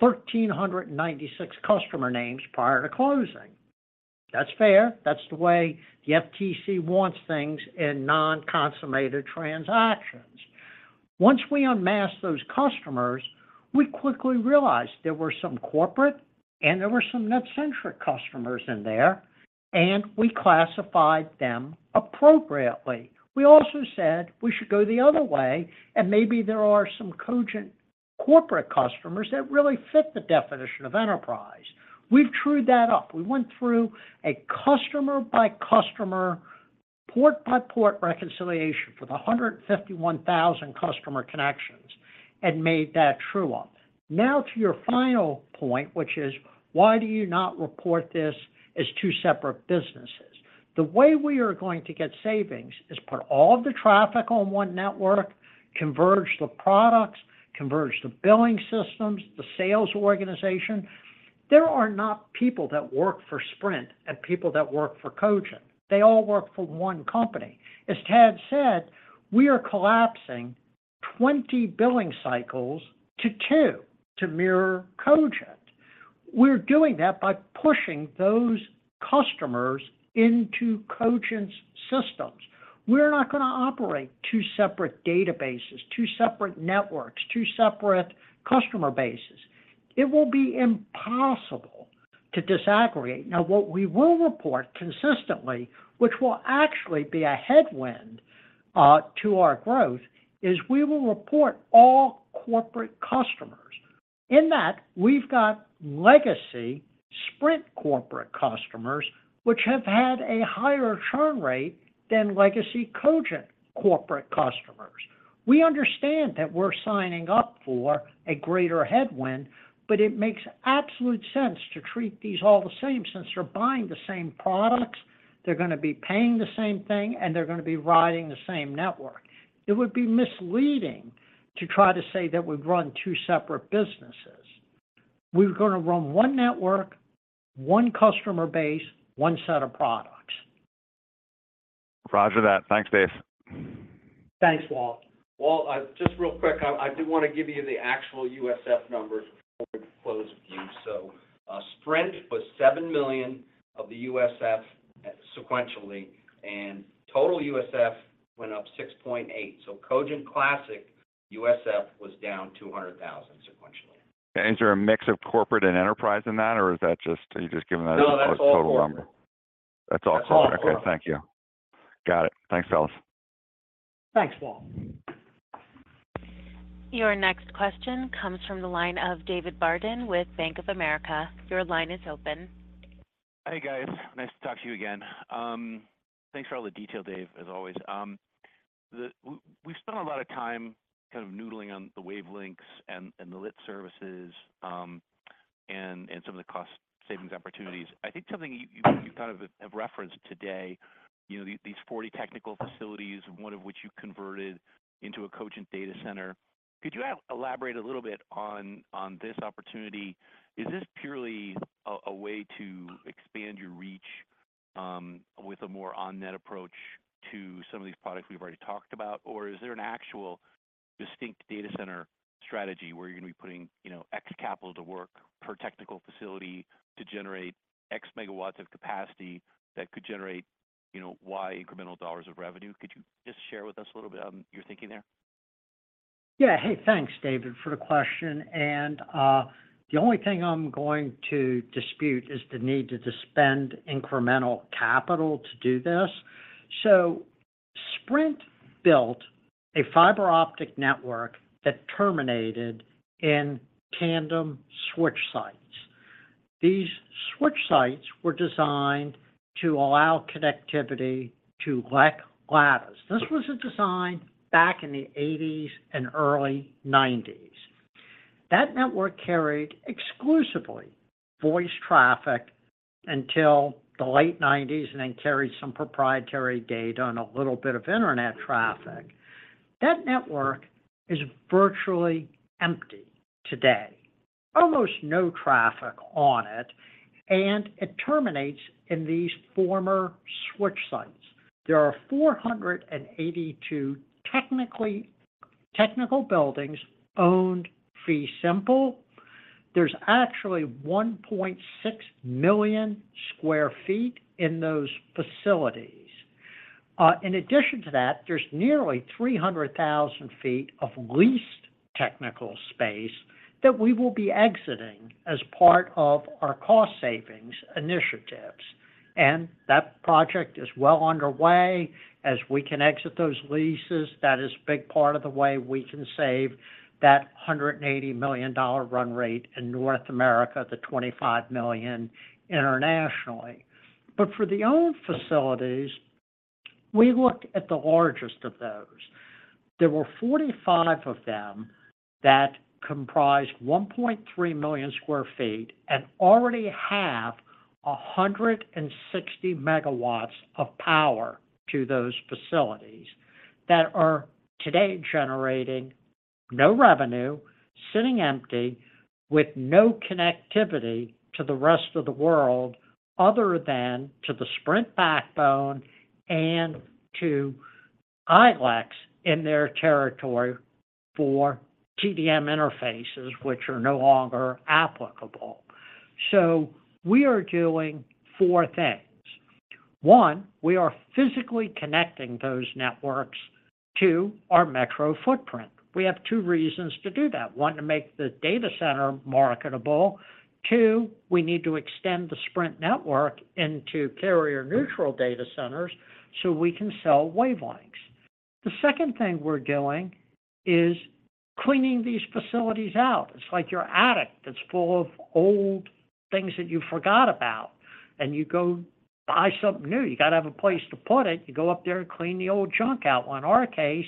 1,396 customer names prior to closing. That's fair. That's the way the FTC wants things in non-consummated transactions. Once we unmasked those customers, we quickly realized there were some corporate and there were some NetCentric customers in there, and we classified them appropriately. We also said we should go the other way, and maybe there are some Cogent corporate customers that really fit the definition of enterprise. We've trued that up. We went through a customer-by-customer, port-by-port reconciliation for the 151,000 customer connections and made that true up. Now to your final point, which is: Why do you not report this as two separate businesses? The way we are going to get savings is put all the traffic on one network, converge the products, converge the billing systems, the sales organization. There are not people that work for Sprint and people that work for Cogent. They all work for one company. As Thad said, we are collapsing 20 billing cycles to two to mirror Cogent. We're doing that by pushing those customers into Cogent's systems. We're not gonna operate two separate databases, two separate networks, two separate customer bases. It will be impossible to disaggregate. Now, what we will report consistently, which will actually be a headwind to our growth, is we will report all corporate customers. In that, we've got legacy Sprint corporate customers, which have had a higher churn rate than legacy Cogent corporate customers. We understand that we're signing up for a greater headwind, it makes absolute sense to treat these all the same, since they're buying the same products, they're gonna be paying the same thing, and they're gonna be riding the same network. It would be misleading to try to say that we've run two separate businesses. We're gonna run one network, one customer base, one set of products. Roger that. Thanks, Dave. Thanks, Walt. Walt, just real quick, I do wanna give you the actual USF numbers before we close view. Sprint was $7 million of the USF sequentially, and total USF went up $6.8 million. Cogent Classic USF was down $200,000 sequentially. Is there a mix of corporate and enterprise in that, or is that just... Are you just giving that as a total number? No, that's all corporate. That's all corporate. That's all corporate. Okay, thank you. Got it. Thanks, fellas. Thanks, Walt. Your next question comes from the line of David Barden with Bank of America. Your line is open. Hey, guys. Nice to talk to you again. Thanks for all the detail, Dave, as always. We've spent a lot of time kind of noodling on the Wavelengths and, and the lit services, and, and some of the cost savings opportunities. I think something you, you, you kind of have referenced today, you know, these, these 40 technical facilities, one of which you converted into a Cogent data center. Could you elaborate a little bit on, on this opportunity? Is this purely a way to expand your reach? with a more on-net approach to some of these products we've already talked about? Or is there an actual distinct data center strategy where you're gonna be putting, you know, X capital to work per technical facility to generate X megawatts of capacity that could generate, you know, Y incremental dollars of revenue? Could you just share with us a little bit on your thinking there? Yeah. Hey, thanks, David, for the question. The only thing I'm going to dispute is the need to suspend incremental capital to do this. Sprint built a fiber optic network that terminated in tandem switch sites. These switch sites were designed to allow connectivity to l. This was a design back in the 1980s and early 1990s. That network carried exclusively voice traffic until the late '90s. Then carried some proprietary data and a little bit of internet traffic. That network is virtually empty today, almost no traffic on it. It terminates in these former switch sites. There are 482 technical buildings owned fee simple. There's actually 1.6 million sq ft in those facilities. In addition to that, there's nearly 300,000 feet of leased technical space that we will be exiting as part of our cost savings initiatives, that project is well underway. As we can exit those leases, that is a big part of the way we can save that $180 million run rate in North America, the $25 million internationally. For the old facilities, we looked at the largest of those. There were 45 of them that comprised 1.3 million sq ft and already have 160 megawatts of power to those facilities, that are today generating no revenue, sitting empty with no connectivity to the rest of the world, other than to the Sprint backbone and to ILEC in their territory for TDM interfaces, which are no longer applicable. We are doing four things. One, we are physically connecting those networks to our metro footprint. We have two reasons to do that: one, to make the data center marketable. two, we need to extend the Sprint network into carrier-neutral data centers, so we can sell Wavelengths. The second thing we're doing is cleaning these facilities out. It's like your attic that's full of old things that you forgot about, and you go buy something new. You got to have a place to put it. You go up there and clean the old junk out. Well, in our case,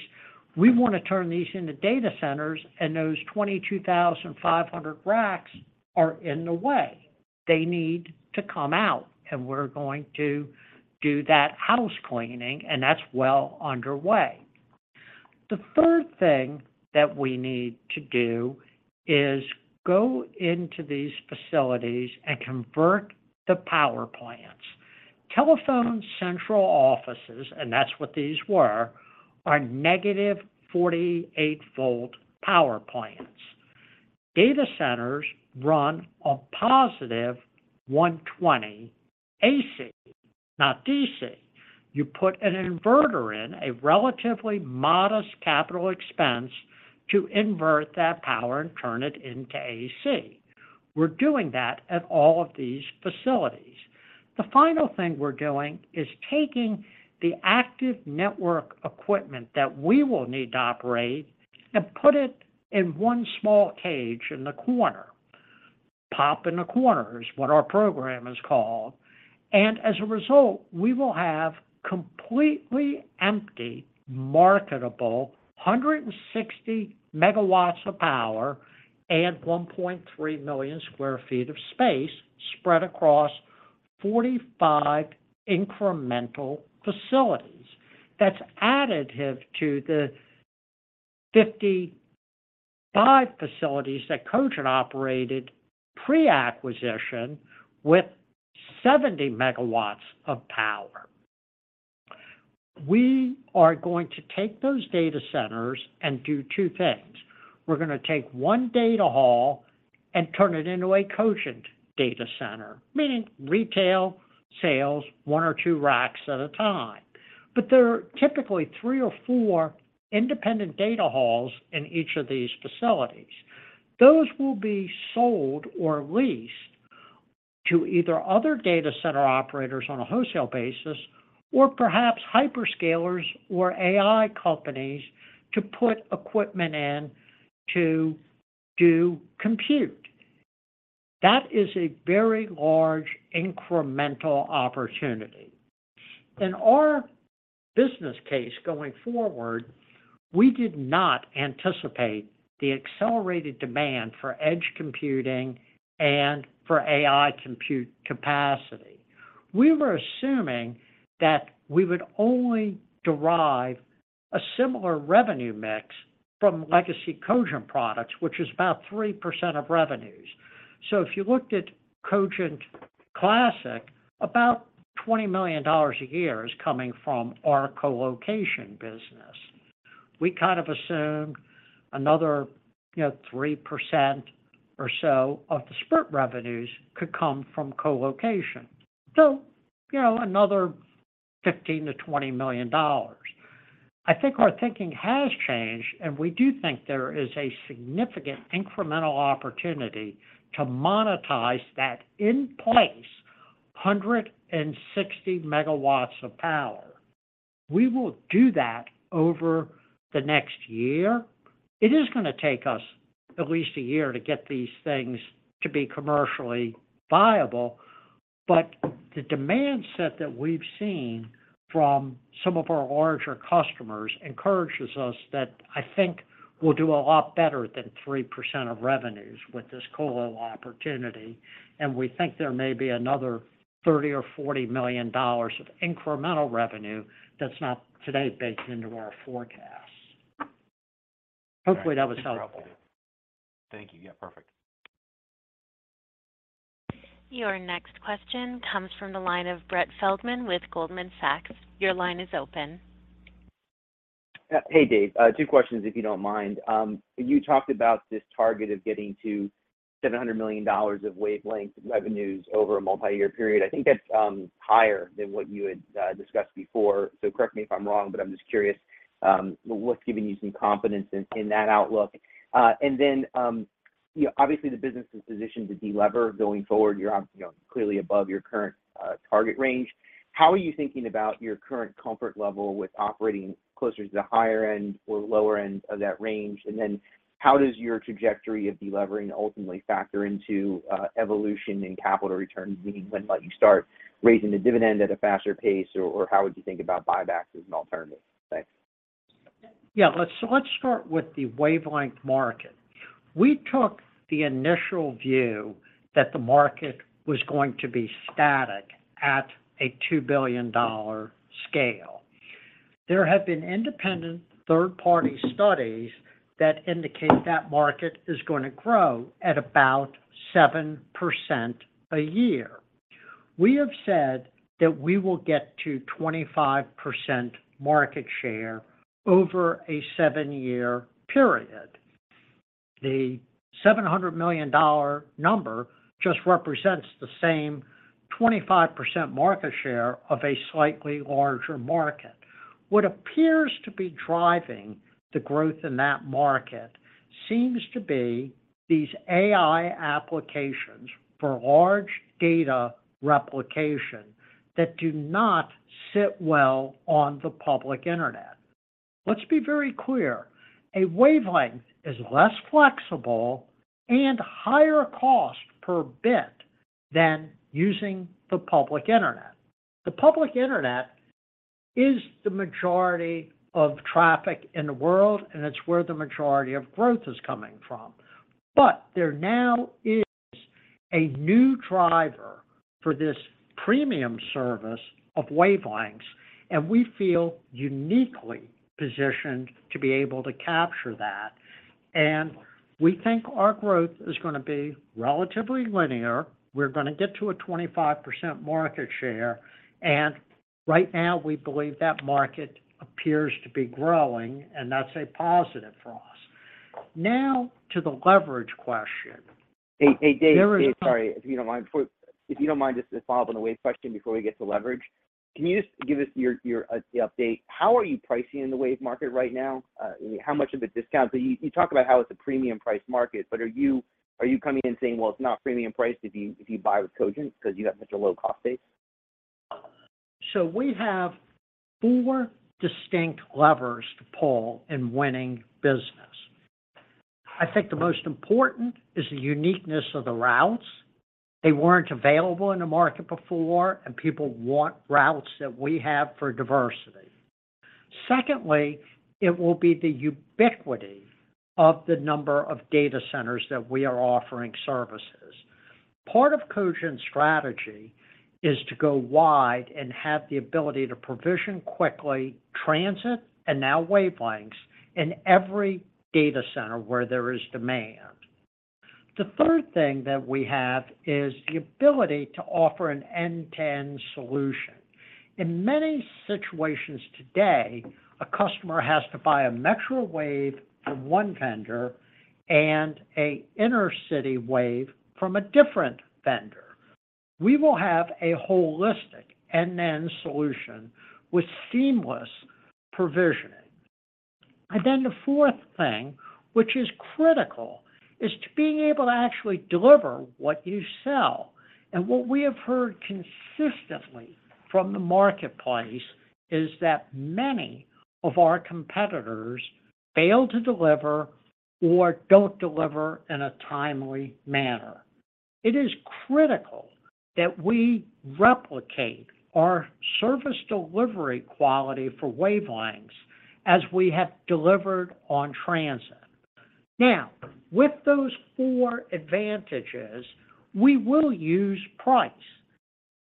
we want to turn these into data centers, and those 22,500 racks are in the way. They need to come out, and we're going to do that house cleaning, and that's well underway. The third thing that we need to do is go into these facilities and convert the power plants. Telephone central offices, and that's what these were, are negative 48 volt power plants. Data centers run on positive 120 AC, not DC. You put an inverter in, a relatively modest capital expense to invert that power and turn it into AC. We're doing that at all of these facilities. The final thing we're doing is taking the active network equipment that we will need to operate and put it in one small cage in the corner. Pop in the corner, is what our program is called, and as a result, we will have completely empty, marketable, 160 MW of power and 1.3 million sq ft of space spread across 45 incremental facilities. That's additive to the 55 facilities that Cogent operated pre-acquisition with 70 MW of power. We are going to take those data centers and do two things. We're gonna take one data hall and turn it into a Cogent data center, meaning retail, sales, one or two racks at a time. There are typically three or four independent data halls in each of these facilities. Those will be sold or leased to either other data center operators on a wholesale basis, or perhaps hyperscalers or AI companies to put equipment in to do compute. That is a very large incremental opportunity. In our business case going forward, we did not anticipate the accelerated demand for edge computing and for AI compute capacity. We were assuming that we would only derive a similar revenue mix from legacy Cogent products, which is about 3% of revenues. If you looked at Cogent Classic, about $20 million a year is coming from our colocation business. We kind of assumed another, you know, 3% or so of the Sprint revenues could come from colocation. You know, another $15 million to $20 million. I think our thinking has changed, and we do think there is a significant incremental opportunity to monetize that in place, 160 megawatts of power. We will do that over the next year. It is gonna take us at least a year to get these things to be commercially viable, but the demand set that we've seen from some of our larger customers encourages us that I think we'll do a lot better than 3% of revenues with this colo opportunity. We think there may be another $30 million or $40 million of incremental revenue that's not today baked into our forecast. Hopefully, that was helpful. Thank you. Yeah, perfect. Your next question comes from the line of Brett Feldman with Goldman Sachs. Your line is open. Hey, Dave. Two questions, if you don't mind. You talked about this target of getting to $700 million of Wavelengths revenues over a multi-year period. I think that's higher than what you had discussed before. Correct me if I'm wrong, but I'm just curious, what's giving you some confidence in that outlook? Then, you know, obviously, the business is positioned to delever going forward. You're, you know, clearly above your current target range. How are you thinking about your current comfort level with operating closer to the higher end or lower end of that range? Then how does your trajectory of delevering ultimately factor into evolution in capital returns? Meaning, when might you start raising the dividend at a faster pace, or how would you think about buybacks as an alternative? Thanks. Let's start with the wavelength market. We took the initial view that the market was going to be static at a $2 billion scale. There have been independent third-party studies that indicate that market is gonna grow at about 7% a year. We have said that we will get to 25% market share over a 7-year period. The $700 million number just represents the same 25% market share of a slightly larger market. What appears to be driving the growth in that market seems to be these AI applications for large data replication that do not sit well on the public internet. Let's be very clear, a wavelength is less flexible and higher cost per bit than using the public internet. The public internet is the majority of traffic in the world, and it's where the majority of growth is coming from. There now is a new driver for this premium service of Wavelengths, and we feel uniquely positioned to be able to capture that. We think our growth is gonna be relatively linear. We're gonna get to a 25% market share, and right now, we believe that market appears to be growing, and that's a positive for us. Now, to the leverage question. Hey, hey, Dave There is Dave, sorry, if you don't mind, if you don't mind, just to follow up on the wave question before we get to leverage. Can you just give us your, your, the update, how are you pricing in the wave market right now? How much of a discount? You, you talked about how it's a premium price market, but are you, are you coming in saying, "Well, it's not premium price if you, if you buy with Cogent because you have such a low cost base? We have four distinct levers to pull in winning business. I think the most important is the uniqueness of the routes. They weren't available in the market before, and people want routes that we have for diversity. Secondly, it will be the ubiquity of the number of data centers that we are offering services. Part of Cogent's strategy is to go wide and have the ability to provision quickly transit, and now Wavelengths, in every data center where there is demand. The third thing that we have is the ability to offer an end-to-end solution. In many situations today, a customer has to buy a metro wave from one vendor and an inner city wave from a different vendor. We will have a holistic end-to-end solution with seamless provisioning. The fourth thing, which is critical, is to being able to actually deliver what you sell. What we have heard consistently from the marketplace is that many of our competitors fail to deliver or don't deliver in a timely manner. It is critical that we replicate our service delivery quality for Wavelengths as we have delivered on transit. Now, with those four advantages, we will use price.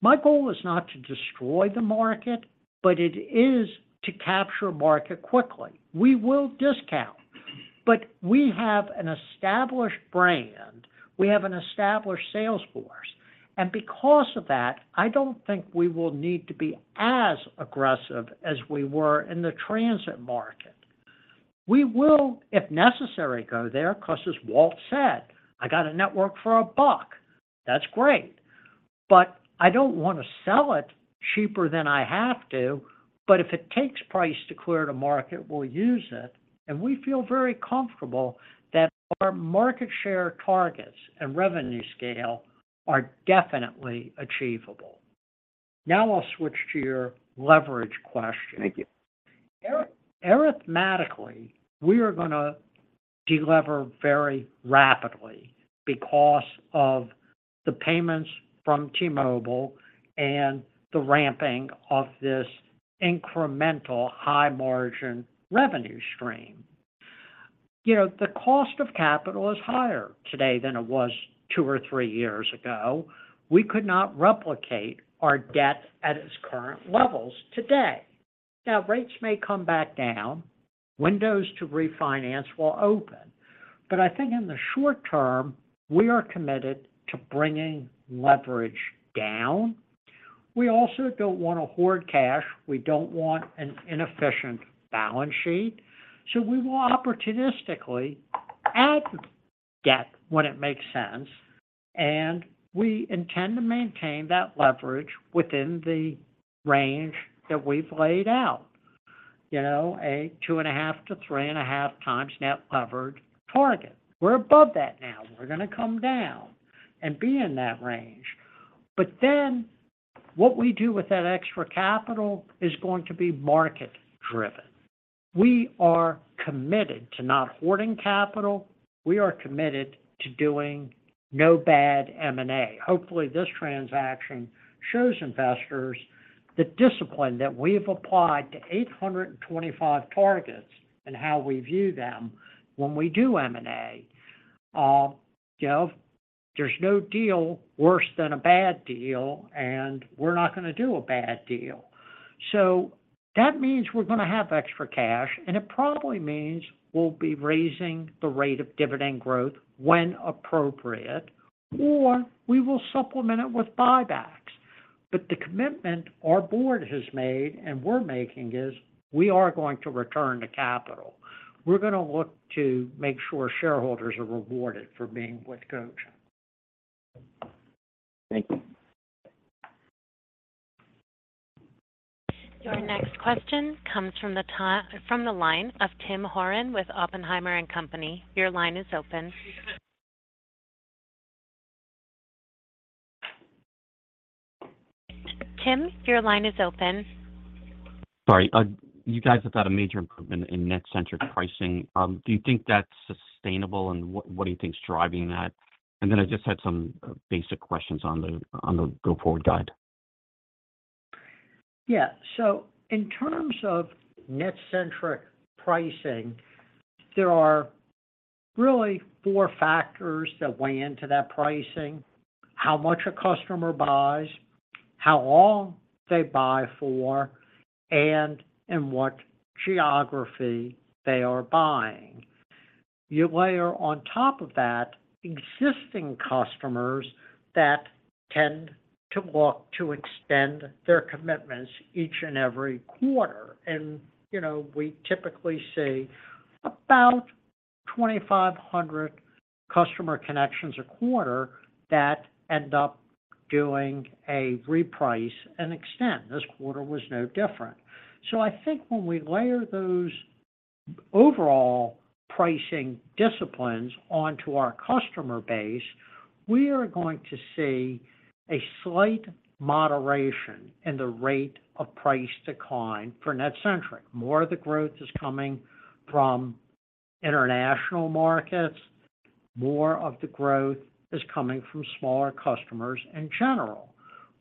My goal is not to destroy the market, but it is to capture market quickly. We will discount, but we have an established brand, we have an established sales force, and because of that, I don't think we will need to be as aggressive as we were in the transit market. We will, if necessary, go there, because as Walt said, "I got a network for $1." That's great, but I don't want to sell it cheaper than I have to. If it takes price to clear the market, we'll use it, and we feel very comfortable that our market share targets and revenue scale are definitely achievable. Now, I'll switch to your leverage question. Thank you. Arithmetically, we are going to delever very rapidly because of the payments from T-Mobile and the ramping of this incremental high margin revenue stream. You know, the cost of capital is higher today than it was two or three years ago. We could not replicate our debt at its current levels today. Rates may come back down, windows to refinance will open, but I think in the short term, we are committed to bringing leverage down. We also don't want to hoard cash. We don't want an inefficient balance sheet, so we will opportunistically add debt when it makes sense, and we intend to maintain that leverage within the range that we've laid out. You know, a 2.5-3.5 times net covered target. We're above that now. We're going to come down and be in that range. What we do with that extra capital is going to be market driven. We are committed to not hoarding capital. We are committed to doing no bad M&A. Hopefully, this transaction shows investors the discipline that we've applied to 825 targets and how we view them when we do M&A. you know, there's no deal worse than a bad deal, and we're not going to do a bad deal. That means we're going to have extra cash, and it probably means we'll be raising the rate of dividend growth when appropriate, or we will supplement it with buybacks. The commitment our board has made and we're making is, we are going to return the capital. We're going to look to make sure shareholders are rewarded for being with Cogent. Thank you. Your next question comes from the line of Timothy Horan with Oppenheimer & Co.. Your line is open. Tim, your line is open. Sorry, you guys have got a major improvement in net centric pricing. Do you think that's sustainable, and what, what do you think is driving that? Then I just had some basic questions on the, on the go-forward guide. Yeah. In terms of net-centric pricing, there are really four factors that weigh into that pricing: how much a customer buys, how long they buy for, and in what geography they are buying. You layer on top of that, existing customers that tend to look to extend their commitments each and every quarter. You know, we typically see about 2,500 customer connections a quarter that end up doing a reprice and extend. This quarter was no different. I think when we layer those overall pricing disciplines onto our customer base, we are going to see a slight moderation in the rate of price decline for net-centric. More of the growth is coming from international markets. More of the growth is coming from smaller customers in general.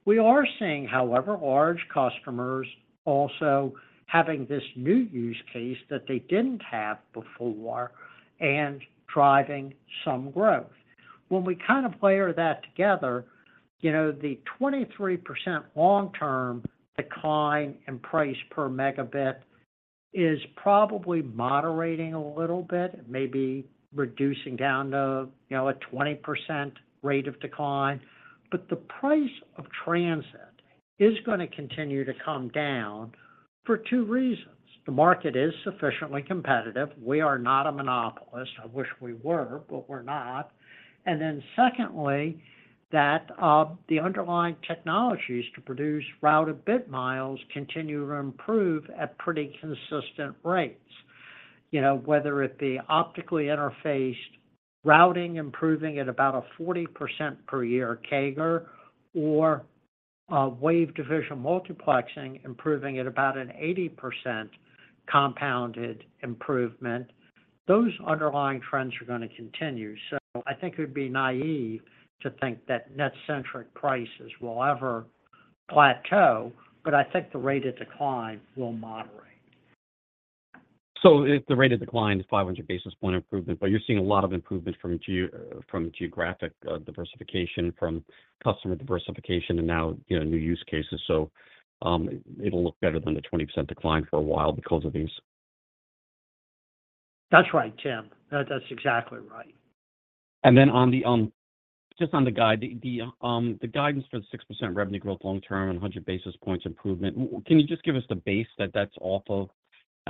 We are seeing, however, large customers also having this new use case that they didn't have before and driving some growth. When we kind of layer that together, you know, the 23% long-term decline in price per megabit is probably moderating a little bit, maybe reducing down to, you know, a 20% rate of decline. The price of transit is going to continue to come down for two reasons. The market is sufficiently competitive. We are not a monopolist. I wish we were, but we're not. Then secondly, that the underlying technologies to produce routed bit miles continue to improve at pretty consistent rates. You know, whether it be optically interfaced, routing, improving at about a 40% per year CAGR or, wave division multiplexing, improving at about an 80% compounded improvement, those underlying trends are going to continue. I think it would be naive to think that net-centric prices will ever plateau, but I think the rate of decline will moderate. If the rate of decline is 500 basis point improvement, but you're seeing a lot of improvement from geo, from geographic, diversification, from customer diversification, and now, you know, new use cases. It'll look better than the 20% decline for a while because of these? That's right, Tim. That, that's exactly right. Then on the, just on the guide, the, the, the guidance for the 6% revenue growth long term and 100 basis points improvement, can you just give us the base that that's off of?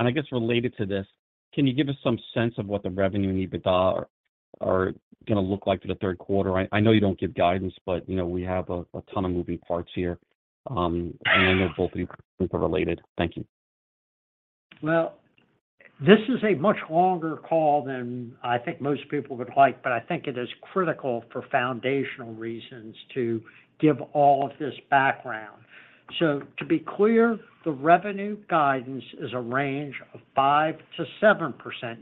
I guess related to this, can you give us some sense of what the revenue and EBITDA are, are gonna look like for the Q3? I, I know you don't give guidance, but, you know, we have a, a ton of moving parts here. I know both of these are related. Thank you. Well, this is a much longer call than I think most people would like, but I think it is critical for foundational reasons to give all of this background. To be clear, the revenue guidance is a range of 5%-7%.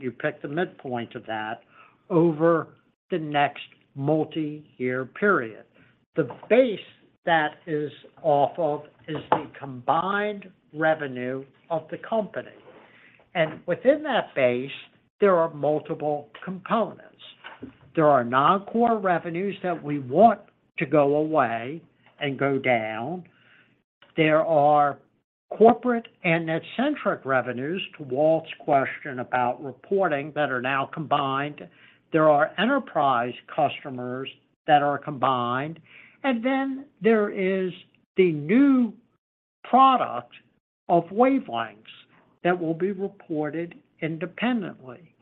You pick the midpoint of that over the next multi-year period. The base that is off of is the combined revenue of the company, and within that base, there are multiple components. There are non-core revenues that we want to go away and go down. There are corporate and NetCentric revenues, to Walt's question about reporting, that are now combined. There are enterprise customers that are combined, and then there is the new product of Wavelengths that will be reported independently.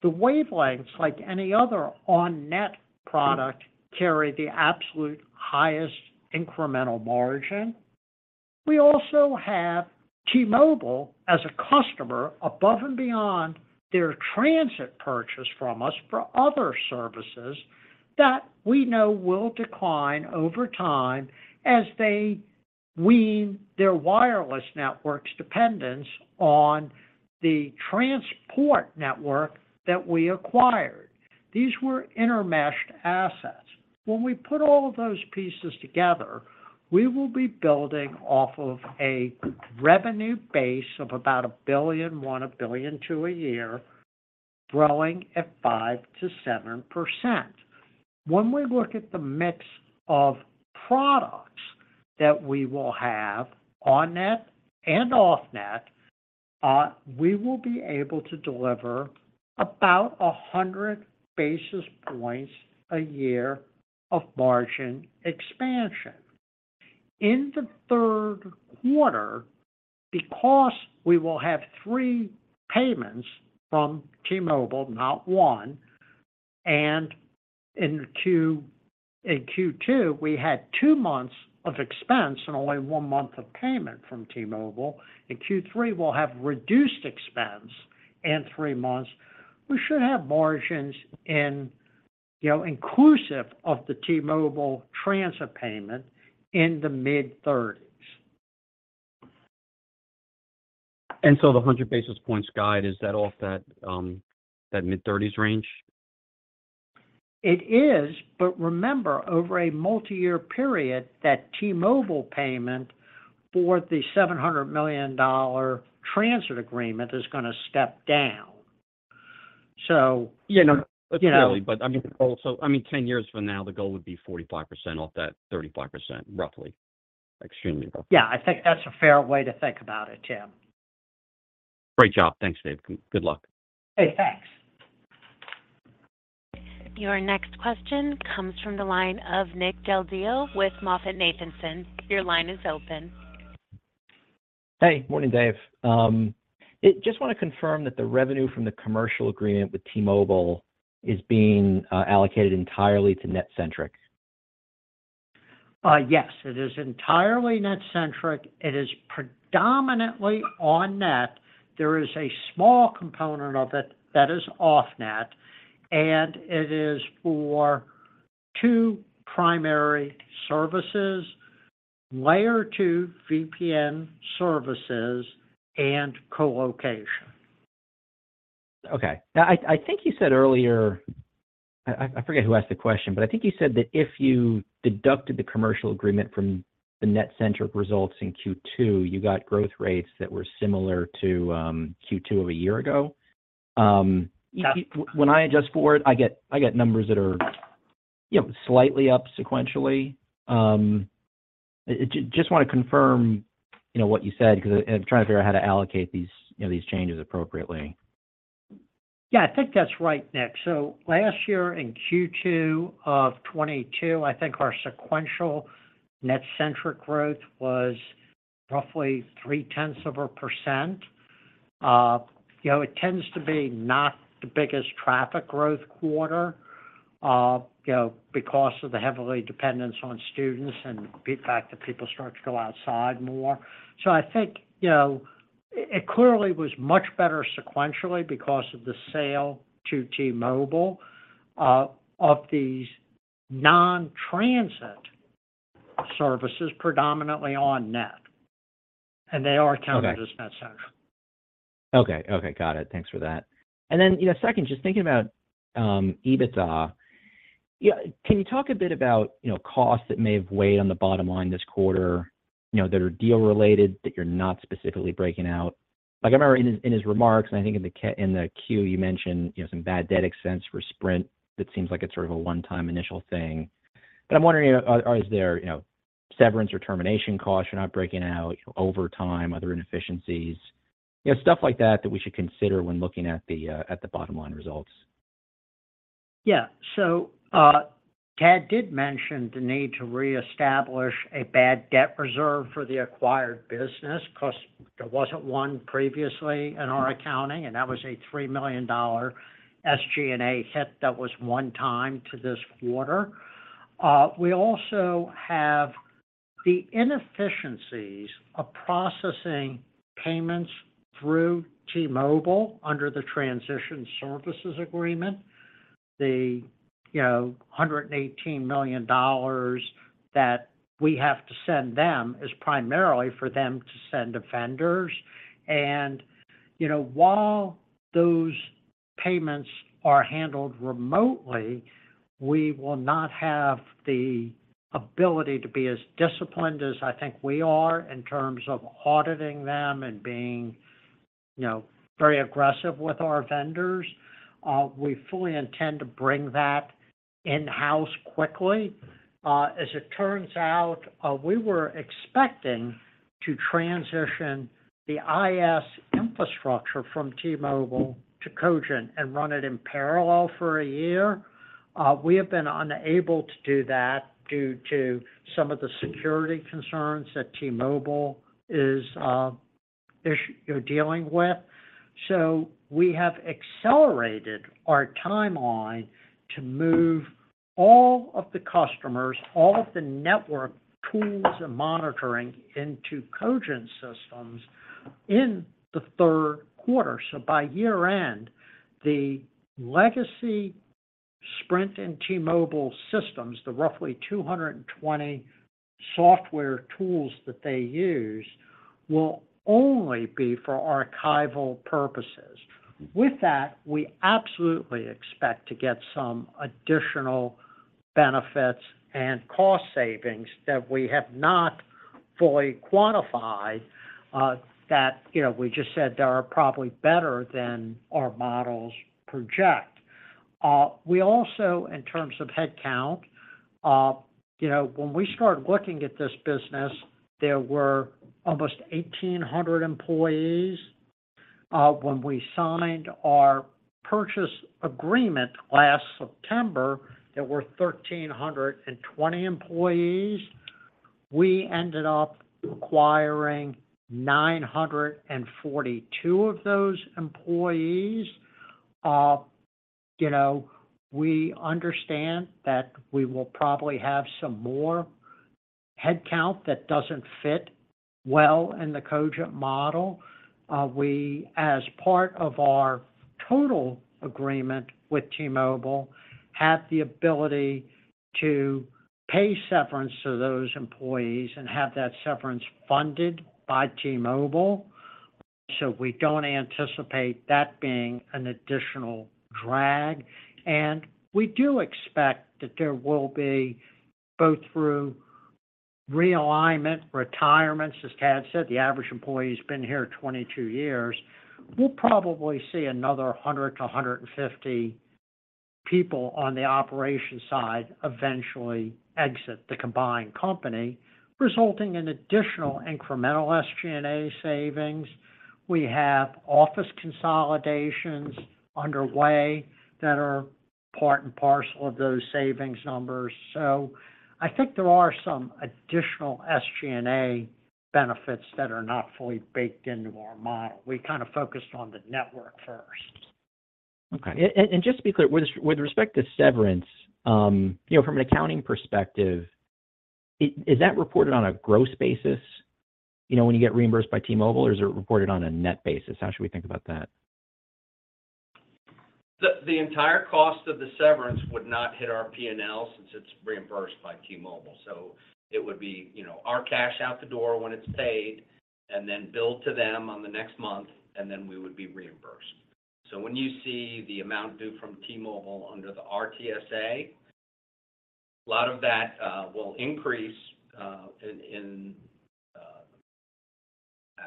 The Wavelengths, like any other on-net product, carry the absolute highest incremental margin. We also have T-Mobile as a customer, above and beyond their transit purchase from us for other services, that we know will decline over time as they wean their wireless network's dependence on the transport network that we acquired. These were intermeshed assets. When we put all of those pieces together, we will be building off of a revenue base of about $1.1 billion, $1.2 billion a year, growing at 5%-7%. When we look at the mix of products that we will have on-net and off-net, we will be able to deliver about 100 basis points a year of margin expansion. In the Q3, because we will have three payments from T-Mobile, not one, and in Q2, we had two months of expense and only 1 month of payment from T-Mobile. In Q3, we'll have reduced expense in three months. We should have margins in, you know, inclusive of the T-Mobile transit payment in the mid-thirties. The 100 basis points guide, is that off that, that mid-30s range? It is. Remember, over a multi-year period, that T-Mobile payment for the $700 million transit agreement is gonna step down. You know, you know. I mean, also, I mean, 10 years from now, the goal would be 45% off that 35%, roughly. Extremely roughly. Yeah, I think that's a fair way to think about it, Tim. Great job. Thanks, Dave. Good luck. Hey, thanks. Your next question comes from the line of Nick Del Deo with MoffettNathanson. Your line is open. Hey. Morning, Dave. Just want to confirm that the revenue from the commercial agreement with T-Mobile is being allocated entirely to NetCentric. yes, it is entirely NetCentric. It is predominantly on-net. There is a small component of it that is off-net, and it is for two primary services: Layer 2 VPN services and colocation. Okay. Now I think you said earlier. I forget who asked the question, but I think you said that if you deducted the commercial agreement from the NetCentric results in Q2, you got growth rates that were similar to Q2 of a year ago. Yeah. When I adjust for it I get numbers that are, you know, slightly up sequentially. Just want to confirm, you know, what you said, because I'm trying to figure out how to allocate these, you know, these changes appropriately. Yeah, I think that's right, Nick. Last year, in Q2 of 2022, I think our sequential NetCentric growth was roughly 0.3%. You know, it tends to be not the biggest traffic growth quarter, you know, because of the heavily dependence on students and the fact that people start to go outside more. I think, you know, it clearly was much better sequentially because of the sale to T-Mobile, of these non-transit services, predominantly on-net. They are counted as bad central. Okay. Okay, got it. Thanks for that. Then, you know, second, just thinking about EBITDA. Yeah, can you talk a bit about, you know, costs that may have weighed on the bottom line this quarter, you know, that are deal related, that you're not specifically breaking out? Like, I remember in, in his remarks, and I think in the queue, you mentioned, you know, some bad debt expense for Sprint. That seems like it's sort of a one-time initial thing. I'm wondering, is there, you know, severance or termination costs you're not breaking out, over time, other inefficiencies? You know, stuff like that, that we should consider when looking at the bottom line results. Yeah. Thad did mention the need to reestablish a bad debt reserve for the acquired business, 'cause there wasn't one previously in our accounting, and that was a $3 million SG&A hit that was one time to this quarter. We also have the inefficiencies of processing payments through T-Mobile under the Transition Services Agreement. The, you know, $118 million that we have to send them is primarily for them to send to vendors. You know, while those payments are handled remotely, we will not have the ability to be as disciplined as I think we are in terms of auditing them and being, you know, very aggressive with our vendors. We fully intend to bring that in-house quickly. As it turns out, we were expecting to transition the IS infrastructure from T-Mobile to Cogent and run it in parallel for a year. We have been unable to do that due to some of the security concerns that T-Mobile is, you're dealing with. We have accelerated our timeline to move all of the customers, all of the network tools and monitoring into Cogent systems in the Q3. By year-end, the legacy Sprint and T-Mobile systems, the roughly 220 software tools that they use, will only be for archival purposes. With that, we absolutely expect to get some additional benefits and cost savings that we have not fully quantified, that, you know, we just said they are probably better than our models project. We also, in terms of headcount, you know, when we started looking at this business, there were almost 1,800 employees. When we signed our purchase agreement last September, there were 1,320 employees. We ended up acquiring 942 of those employees. You know, we understand that we will probably have some more headcount that doesn't fit well in the Cogent model. We, as part of our total agreement with T-Mobile, have the ability to pay severance to those employees and have that severance funded by T-Mobile. We don't anticipate that being an additional drag, and we do expect that there will be, both through realignment, retirements, as Thad said, the average employee has been here 22 years. We'll probably see another 100-150 people on the operation side eventually exit the combined company, resulting in additional incremental SG&A savings. We have office consolidations underway that are part and parcel of those savings numbers. I think there are some additional SG&A benefits that are not fully baked into our model. We kind of focused on the network first. Okay. Just to be clear, with, with respect to severance, you know, from an accounting perspective, is that reported on a gross basis, you know, when you get reimbursed by T-Mobile, or is it reported on a net basis? How should we think about that? The entire cost of the severance would not hit our P&L since it's reimbursed by T-Mobile. It would be, you know, our cash out the door when it's paid and then billed to them on the next month, and then we would be reimbursed. When you see the amount due from T-Mobile under the RTSA, a lot of that will increase in, in,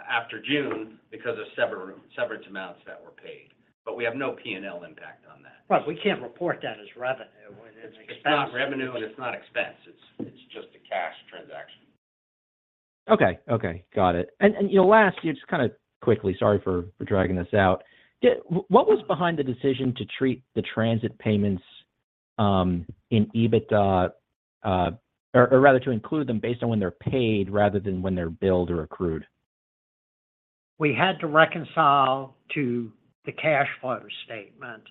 after June because of severance amounts that were paid. We have no P&L impact on that. Right. We can't report that as revenue when it's expense. It's not revenue, and it's not expense. It's, it's just a cash transaction. Okay. Okay, got it. You know, last, just kind of quickly, sorry for, for dragging this out. Yeah, what was behind the decision to treat the transit payments in EBITDA, or, or rather to include them based on when they're paid rather than when they're billed or accrued? We had to reconcile to the cash flow statement,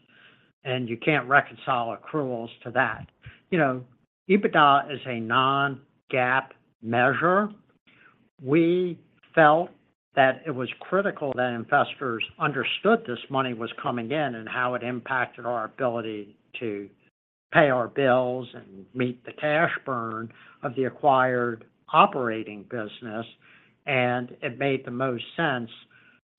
and you can't reconcile accruals to that. You know, EBITDA is a non-GAAP measure. We felt that it was critical that investors understood this money was coming in and how it impacted our ability to pay our bills and meet the cash burn of the acquired operating business, and it made the most sense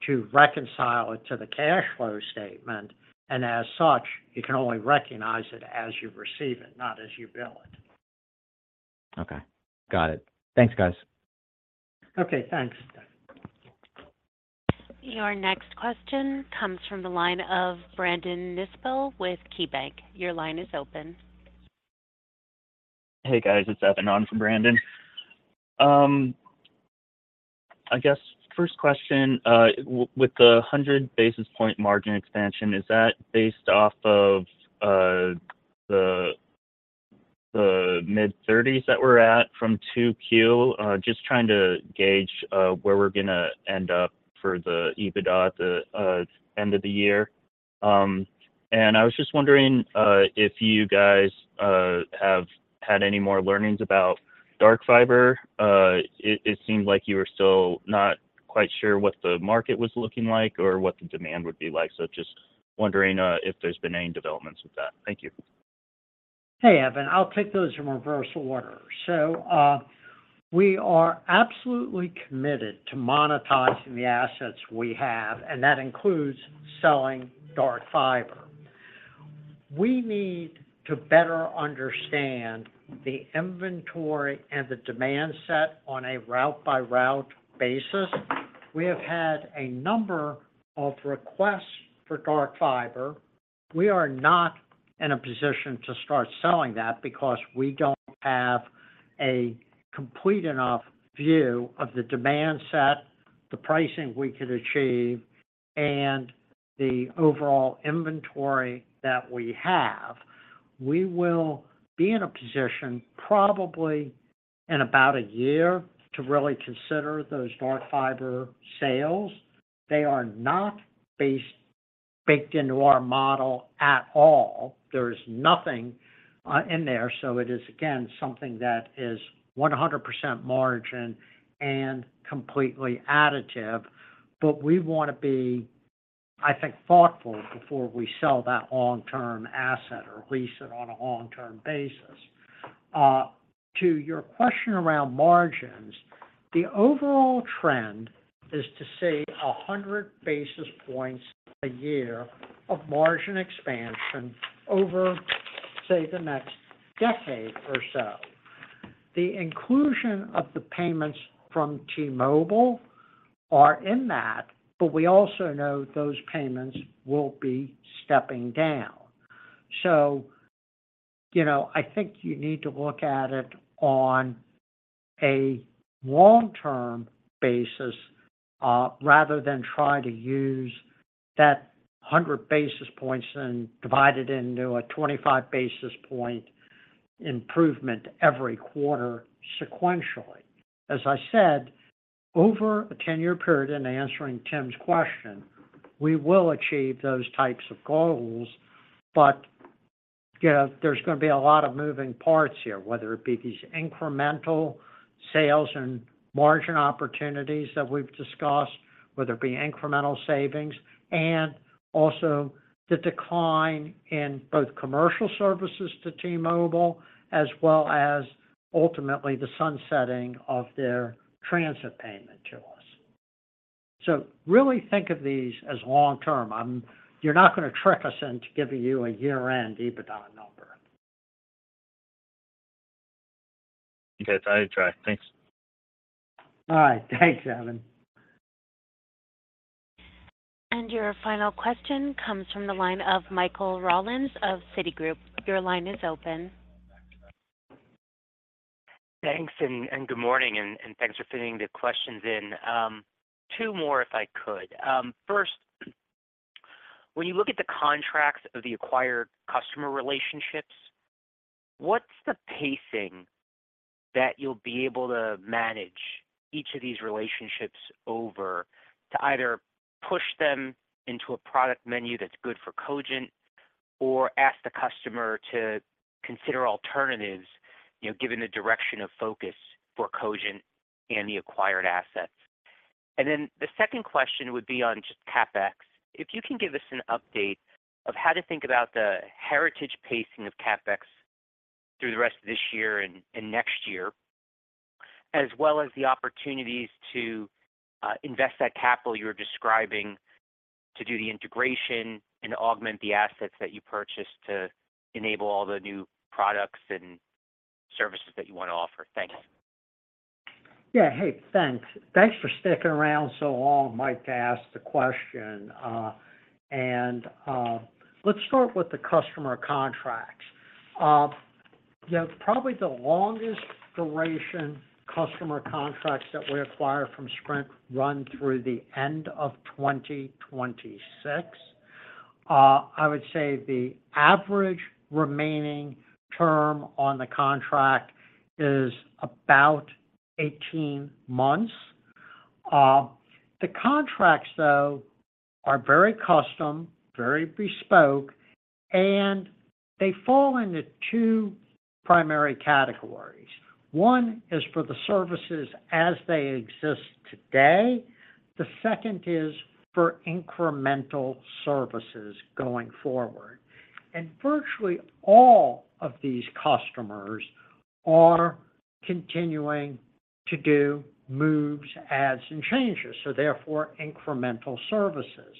to reconcile it to the cash flow statement. As such, you can only recognize it as you receive it, not as you bill it. Okay, got it. Thanks, guys. Okay, thanks. Your next question comes from the line of Brandon Nispel with KeyBanc. Your line is open. Hey, guys, it's Evan on for Brandon. I guess first question, with the 100 basis point margin expansion, is that based off of the mid-thirties that we're at from 2Q? Just trying to gauge where we're gonna end up for the EBITDA at the end of the year. I was just wondering if you guys have had any more learnings about dark fiber? It seemed like you were still not quite sure what the market was looking like or what the demand would be like. Just wondering if there's been any developments with that. Thank you. Hey, Evan. I'll take those in reverse order. We are absolutely committed to monetizing the assets we have, and that includes selling dark fiber. We need to better understand the inventory and the demand set on a route-by-route basis. We have had a number of requests for dark fiber. We are not in a position to start selling that because we don't have a complete enough view of the demand set, the pricing we could achieve, and the overall inventory that we have. We will be in a position, probably in about a year, to really consider those dark fiber sales. They are not baked into our model at all. There is nothing in there, it is, again, something that is 100% margin and completely additive. We wanna be, I think, thoughtful before we sell that long-term asset or lease it on a long-term basis. To your question around margins, the overall trend is to see 100 basis points a year of margin expansion over, say, the next decade or so. The inclusion of the payments from T-Mobile are in that, but we also know those payments will be stepping down. You know, I think you need to look at it on a long-term basis, rather than try to use that 100 basis points and divide it into a 25 basis point improvement every quarter sequentially. As I said, over a 10-year period, answering Tim's question, we will achieve those types of goals. You know, there's gonna be a lot of moving parts here, whether it be these incremental sales and margin opportunities that we've discussed, whether it be incremental savings, and also the decline in both commercial services to T-Mobile, as well as ultimately the sunsetting of their transit payment to us. Really think of these as long term. You're not gonna trick us into giving you a year-end EBITDA number. Okay, I'll try. Thanks. All right, thanks, Evan. Your final question comes from the line of Michael Rollins of Citigroup. Your line is open. Thanks, and, and good morning, and, and thanks for fitting the questions in. Two more, if I could. First, when you look at the contracts of the acquired customer relationships, what's the pacing that you'll be able to manage each of these relationships over to either push them into a product menu that's good for Cogent or ask the customer to consider alternatives, you know, given the direction of focus for Cogent and the acquired assets? Then the second question would be on just CapEx. If you can give us an update of how to think about the heritage pacing of CapEx through the rest of this year and, and next year, as well as the opportunities to invest that capital you're describing to do the integration and augment the assets that you purchased to enable all the new products and services that you want to offer. Thank you. Yeah. Hey, thanks. Thanks for sticking around so long, Michael, to ask the question. Let's start with the customer contracts. You know, probably the longest duration customer contracts that we acquire from Sprint run through the end of 2026. I would say the average remaining term on the contract is about 18 months. The contracts, though, are very custom, very bespoke, and they fall into two primary categories. One is for the services as they exist today. The second is for incremental services going forward. Virtually all of these customers are continuing to do moves, adds, and changes, so therefore, incremental services.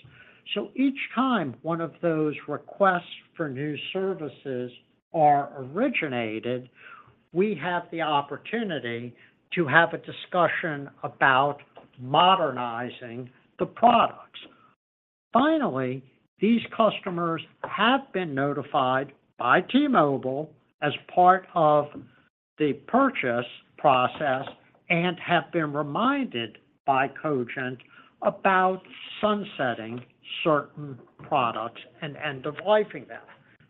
Each time one of those requests for new services are originated, we have the opportunity to have a discussion about modernizing the products. Finally, these customers have been notified by T-Mobile as part of the purchase process and have been reminded by Cogent about sunsetting certain products and end-of-lifing them.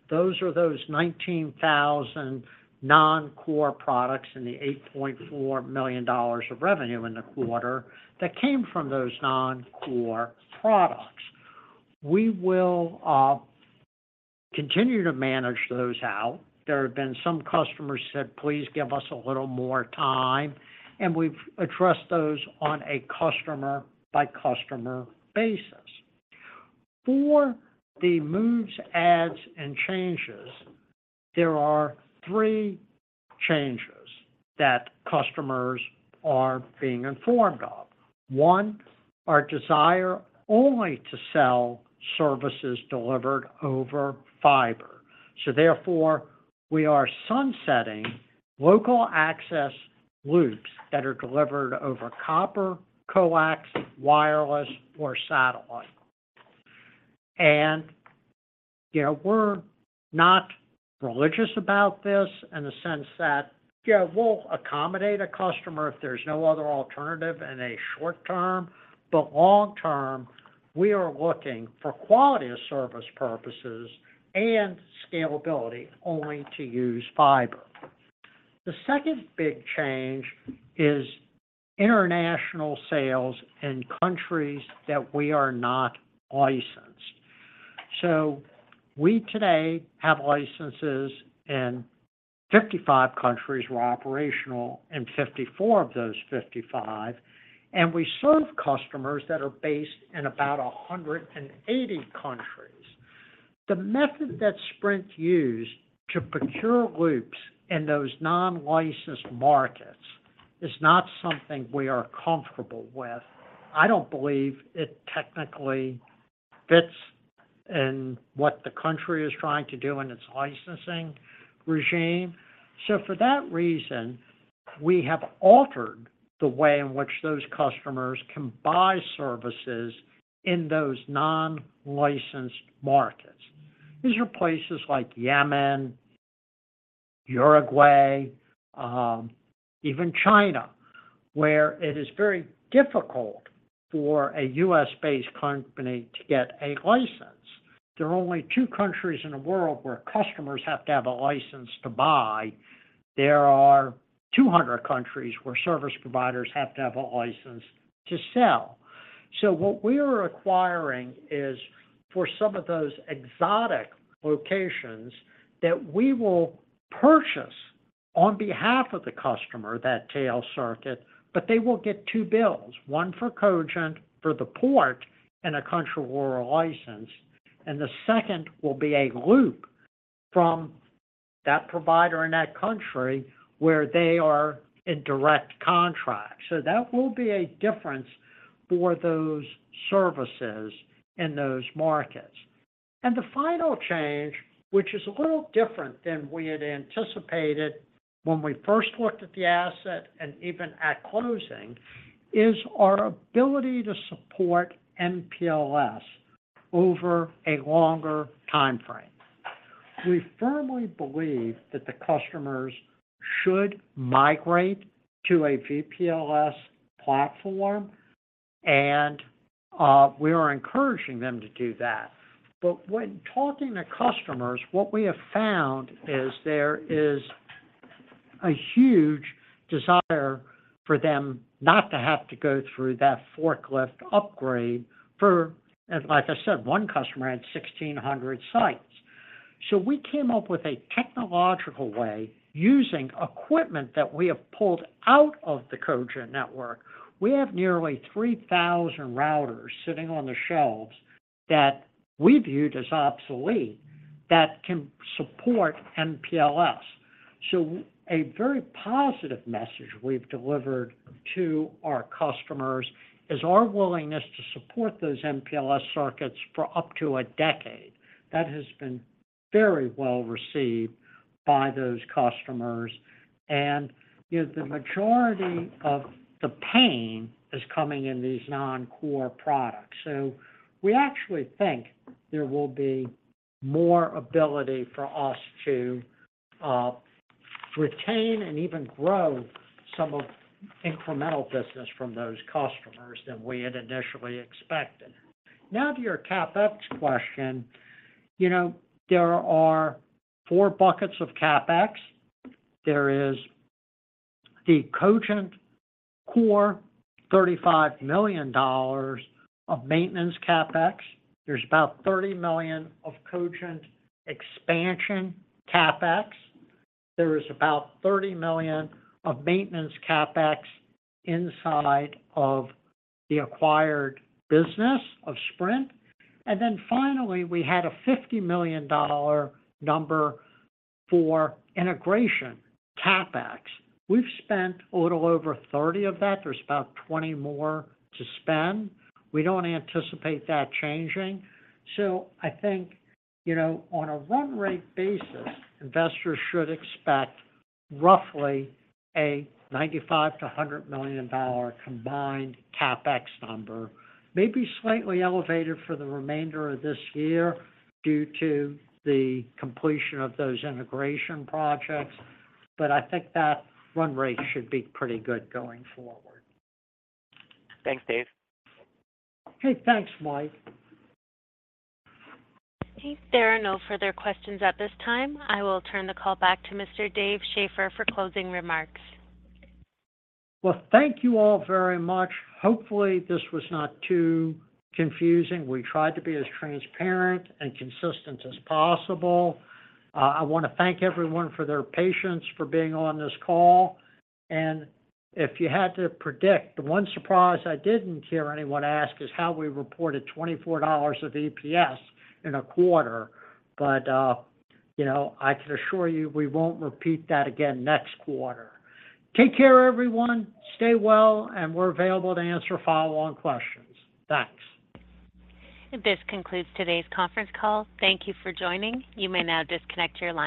Those are those 19,000 non-core products and the $8.4 million of revenue in the quarter that came from those non-core products. We will continue to manage those out. There have been some customers said, "Please give us a little more time," and we've addressed those on a customer-by-customer basis. For the moves, adds, and changes, there are three changes that customers are being informed of. one, our desire only to sell services delivered over fiber. Therefore, we are sunsetting local access loops that are delivered over copper, coax, wireless, or satellite. You know, we're not religious about this in the sense that, yeah, we'll accommodate a customer if there's no other alternative in a short term, but long term, we are looking for quality of service purposes and scalability only to use fiber. The second big change is international sales in countries that we are not licensed. We today have licenses in 55 countries. We're operational in 54 of those 55, and we serve customers that are based in about 180 countries. The method that Sprint used to procure loops in those non-licensed markets is not something we are comfortable with. I don't believe it technically fits in what the country is trying to do in its licensing regime. For that reason, we have altered the way in which those customers can buy services in those non-licensed markets. These are places like Yemen, Uruguay, even China, where it is very difficult for a U.S.-based company to get a license. There are only 2 countries in the world where customers have to have a license to buy. There are 200 countries where service providers have to have a license to sell. What we are requiring is, for some of those exotic locations, that we will purchase, on behalf of the customer, that tail circuit, but they will get 2 bills, one for Cogent, for the port in a country where we're licensed, and the second will be a loop from that provider in that country where they are in direct contract. That will be a difference for those services in those markets. The final change, which is a little different than we had anticipated when we first looked at the asset and even at closing, is our ability to support MPLS over a longer timeframe. We firmly believe that the customers should migrate to a VPLS platform, and we are encouraging them to do that. When talking to customers, what we have found is there is a huge desire for them not to have to go through that forklift upgrade for... Like I said, one customer had 1,600 sites. We came up with a technological way, using equipment that we have pulled out of the Cogent network. We have nearly 3,000 routers sitting on the shelves that we viewed as obsolete, that can support MPLS. A very positive message we've delivered to our customers is our willingness to support those MPLS circuits for up to a decade. That has been very well received by those customers and, you know, the majority of the pain is coming in these non-core products. We actually think there will be more ability for us to retain and even grow some of the incremental business from those customers than we had initially expected. Now, to your CapEx question, you know, there are four buckets of CapEx. There is the Cogent core, $35 million of maintenance CapEx. There's about $30 million of Cogent expansion CapEx. There is about $30 million of maintenance CapEx inside of the acquired business of Sprint. Then finally, we had a $50 million number for integration CapEx. We've spent a little over $30 of that. There's about $20 more to spend. We don't anticipate that changing. I think, you know, on a run rate basis, investors should expect roughly a $95 million to $100 million combined CapEx number. Maybe slightly elevated for the remainder of this year due to the completion of those integration projects, but I think that run rate should be pretty good going forward. Thanks, Dave. Hey, thanks, Mike. There are no further questions at this time. I will turn the call back to Mr. Dave Schaeffer for closing remarks. Well, thank you all very much. Hopefully, this was not too confusing. We tried to be as transparent and consistent as possible. I want to thank everyone for their patience, for being on this call. If you had to predict, the one surprise I didn't hear anyone ask is how we reported $24 of EPS in a quarter. You know, I can assure you we won't repeat that again next quarter. Take care, everyone. Stay well, and we're available to answer follow-on questions. Thanks. This concludes today's conference call. Thank Thank you for joining. You may now disconnect your lines.